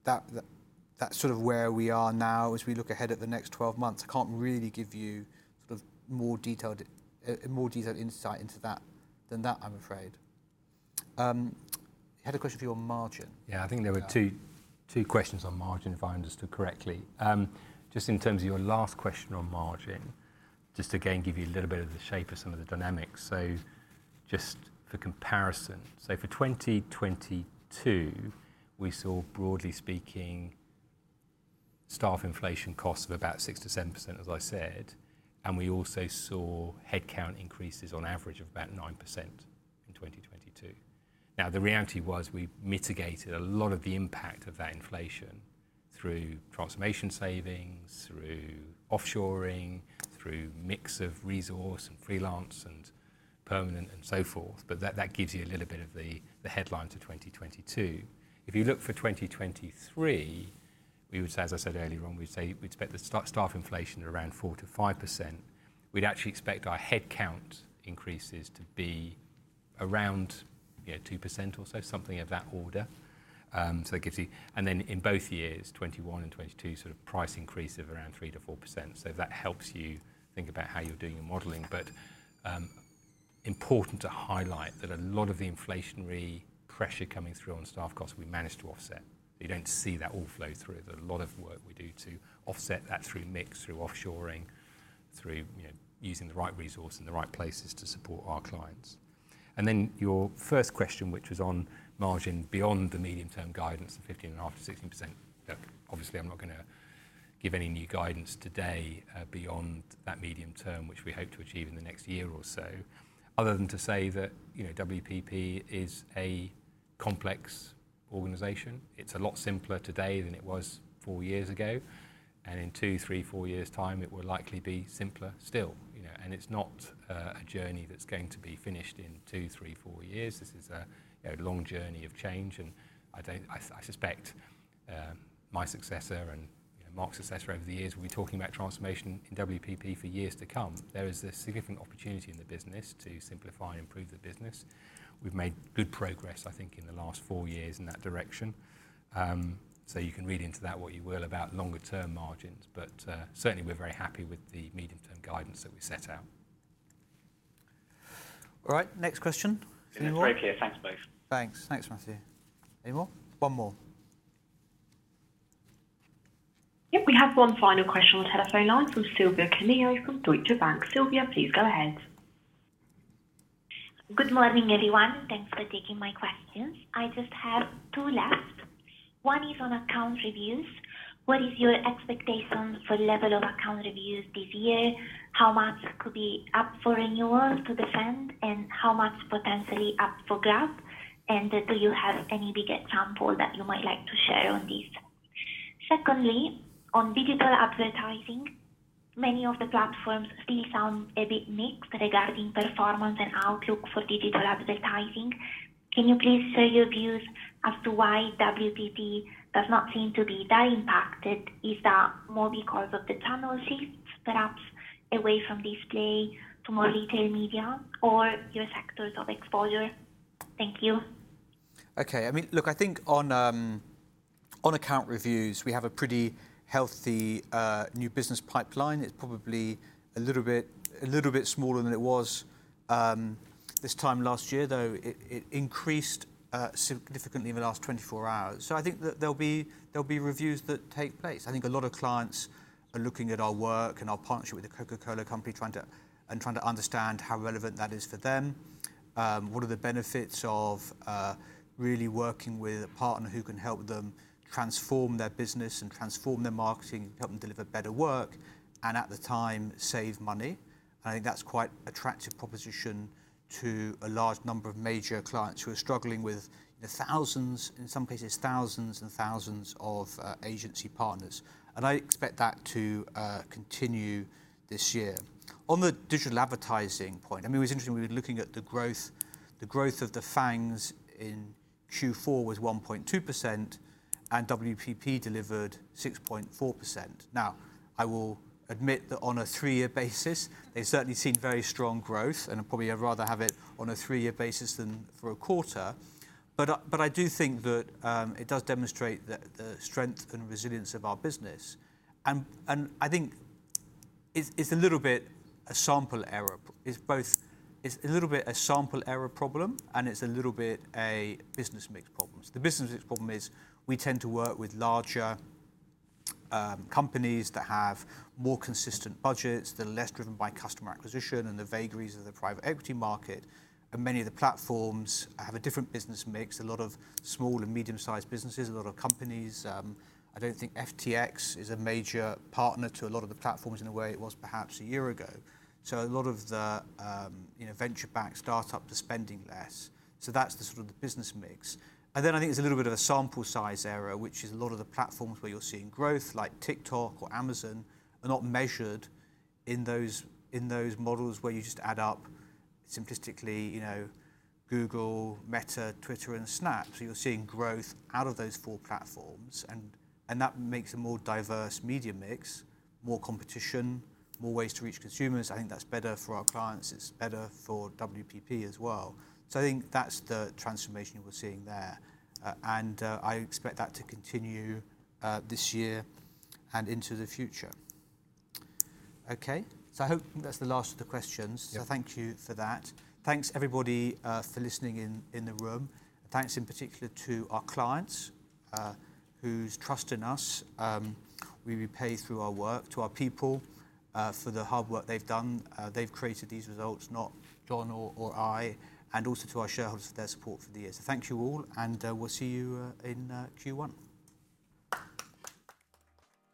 that's sort of where we are now as we look ahead at the next 12 months. I can't really give you sort of more detailed, more detailed insight into that, than that, I'm afraid. You had a question for you on margin. I think there were two questions on margin, if I understood correctly. Just in terms of your last question on margin, just again, give you a little bit of the shape of some of the dynamics. Just for comparison. For 2022, we saw, broadly speaking, staff inflation costs of about 6%-7%, as I said, and we also saw headcount increases on average of about 9% in 2022. The reality was we mitigated a lot of the impact of that inflation through transformation savings, through offshoring, through mix of resource and freelance and permanent and so forth. That gives you a little bit of the headline to 2022. If you look for 2023, we would say, as I said earlier on, we'd expect staff inflation at around 4%-5%. We'd actually expect our headcount increases to be around, you know, 2% or so, something of that order. It gives you. In both years, 2021 and 2022, sort of price increase of around 3%-4%. That helps you think about how you're doing your modeling. Important to highlight that a lot of the inflationary pressure coming through on staff costs we managed to offset. You don't see that all flow through. There's a lot of work we do to offset that through mix, through offshoring, through, you know, using the right resource in the right places to support our clients. Your first question, which was on margin beyond the medium-term guidance of 15.5%-16%. Look, obviously, I'm not gonna give any new guidance today beyond that medium-term, which we hope to achieve in the next year or so, other than to say that, you know, WPP is a complex organization. It's a lot simpler today than it was four years ago. In two, three, four years' time, it will likely be simpler still, you know. It's not a journey that's going to be finished in two, three, four years. This is a, you know, long journey of change. I don't. I suspect my successor and, you know, Mark's successor over the years will be talking about transformation in WPP for years to come. There is a significant opportunity in the business to simplify and improve the business. We've made good progress, I think, in the last four years in that direction. You can read into that what you will about longer-term margins, but certainly we're very happy with the medium-term guidance that we set out. All right, next question. Any more? It's very clear. Thanks both. Thanks. Thanks, Matthew. Any more? One more. Yep. We have one final question on the telephone line from Silvia Cuneo from Deutsche Bank. Silvia, please go ahead. Good morning, everyone. Thanks for taking my questions. I just have two left. One is on account reviews. What is your expectations for level of account reviews this year? How much could be up for renewal to defend, and how much potentially up for grab? Do you have any big example that you might like to share on this? Secondly, on digital advertising, many of the platforms still sound a bit mixed regarding performance and outlook for digital advertising. Can you please share your views as to why WPP does not seem to be that impacted? Is that more because of the channel shifts, perhaps away from display to more retail media or your sectors of exposure? Thank you. Okay. I mean, look, I think on account reviews, we have a pretty healthy new business pipeline. It's probably a little bit smaller than it was this time last year, though it increased significantly in the last 24 hours. I think that there'll be reviews that take place. I think a lot of clients are looking at our work and our partnership with The Coca-Cola Company, trying to understand how relevant that is for them. What are the benefits of really working with a partner who can help them transform their business and transform their marketing, help them deliver better work, and at the time, save money. I think that's quite attractive proposition to a large number of major clients who are struggling with thousands, in some cases, thousands and thousands of agency partners. I expect that to continue this year. On the digital advertising point, I mean, it was interesting, we were looking at the growth. The growth of the FANGs in Q4 was 1.2%, and WPP delivered 6.4%. Now, I will admit that on a three-year basis, they've certainly seen very strong growth, and probably I'd rather have it on a three-year basis than for a quarter. I do think that, it does demonstrate the strength and resilience of our business. I think it's a little bit a sample error. It's a little bit a sample error problem, and it's a little bit a business mix problems. The business mix problem is we tend to work with larger companies that have more consistent budgets. They're less driven by customer acquisition and the vagaries of the private equity market. Many of the platforms have a different business mix, a lot of small and medium-sized businesses, a lot of companies. I don't think FTX is a major partner to a lot of the platforms in a way it was perhaps a year ago. A lot of the, you know, venture-backed start-up are spending less. That's the sort of the business mix. Then I think it's a little bit of a sample size error, which is a lot of the platforms where you're seeing growth, like TikTok or Amazon, are not measured in those, in those models where you just add up simplistically, you know, Google, Meta, Twitter and Snap. You're seeing growth out of those four platforms and that makes a more diverse media mix, more competition, more ways to reach consumers. I think that's better for our clients, it's better for WPP as well. I think that's the transformation we're seeing there. And I expect that to continue this year and into the future. Okay. I hope that's the last of the questions. Yeah. Thank you for that. Thanks everybody, for listening in the room. Thanks in particular to our clients, whose trust in us, we repay through our work. To our people, for the hard work they've done. They've created these results, not John or I, and also to our shareholders for their support through the years. Thank you all and we'll see you in Q1.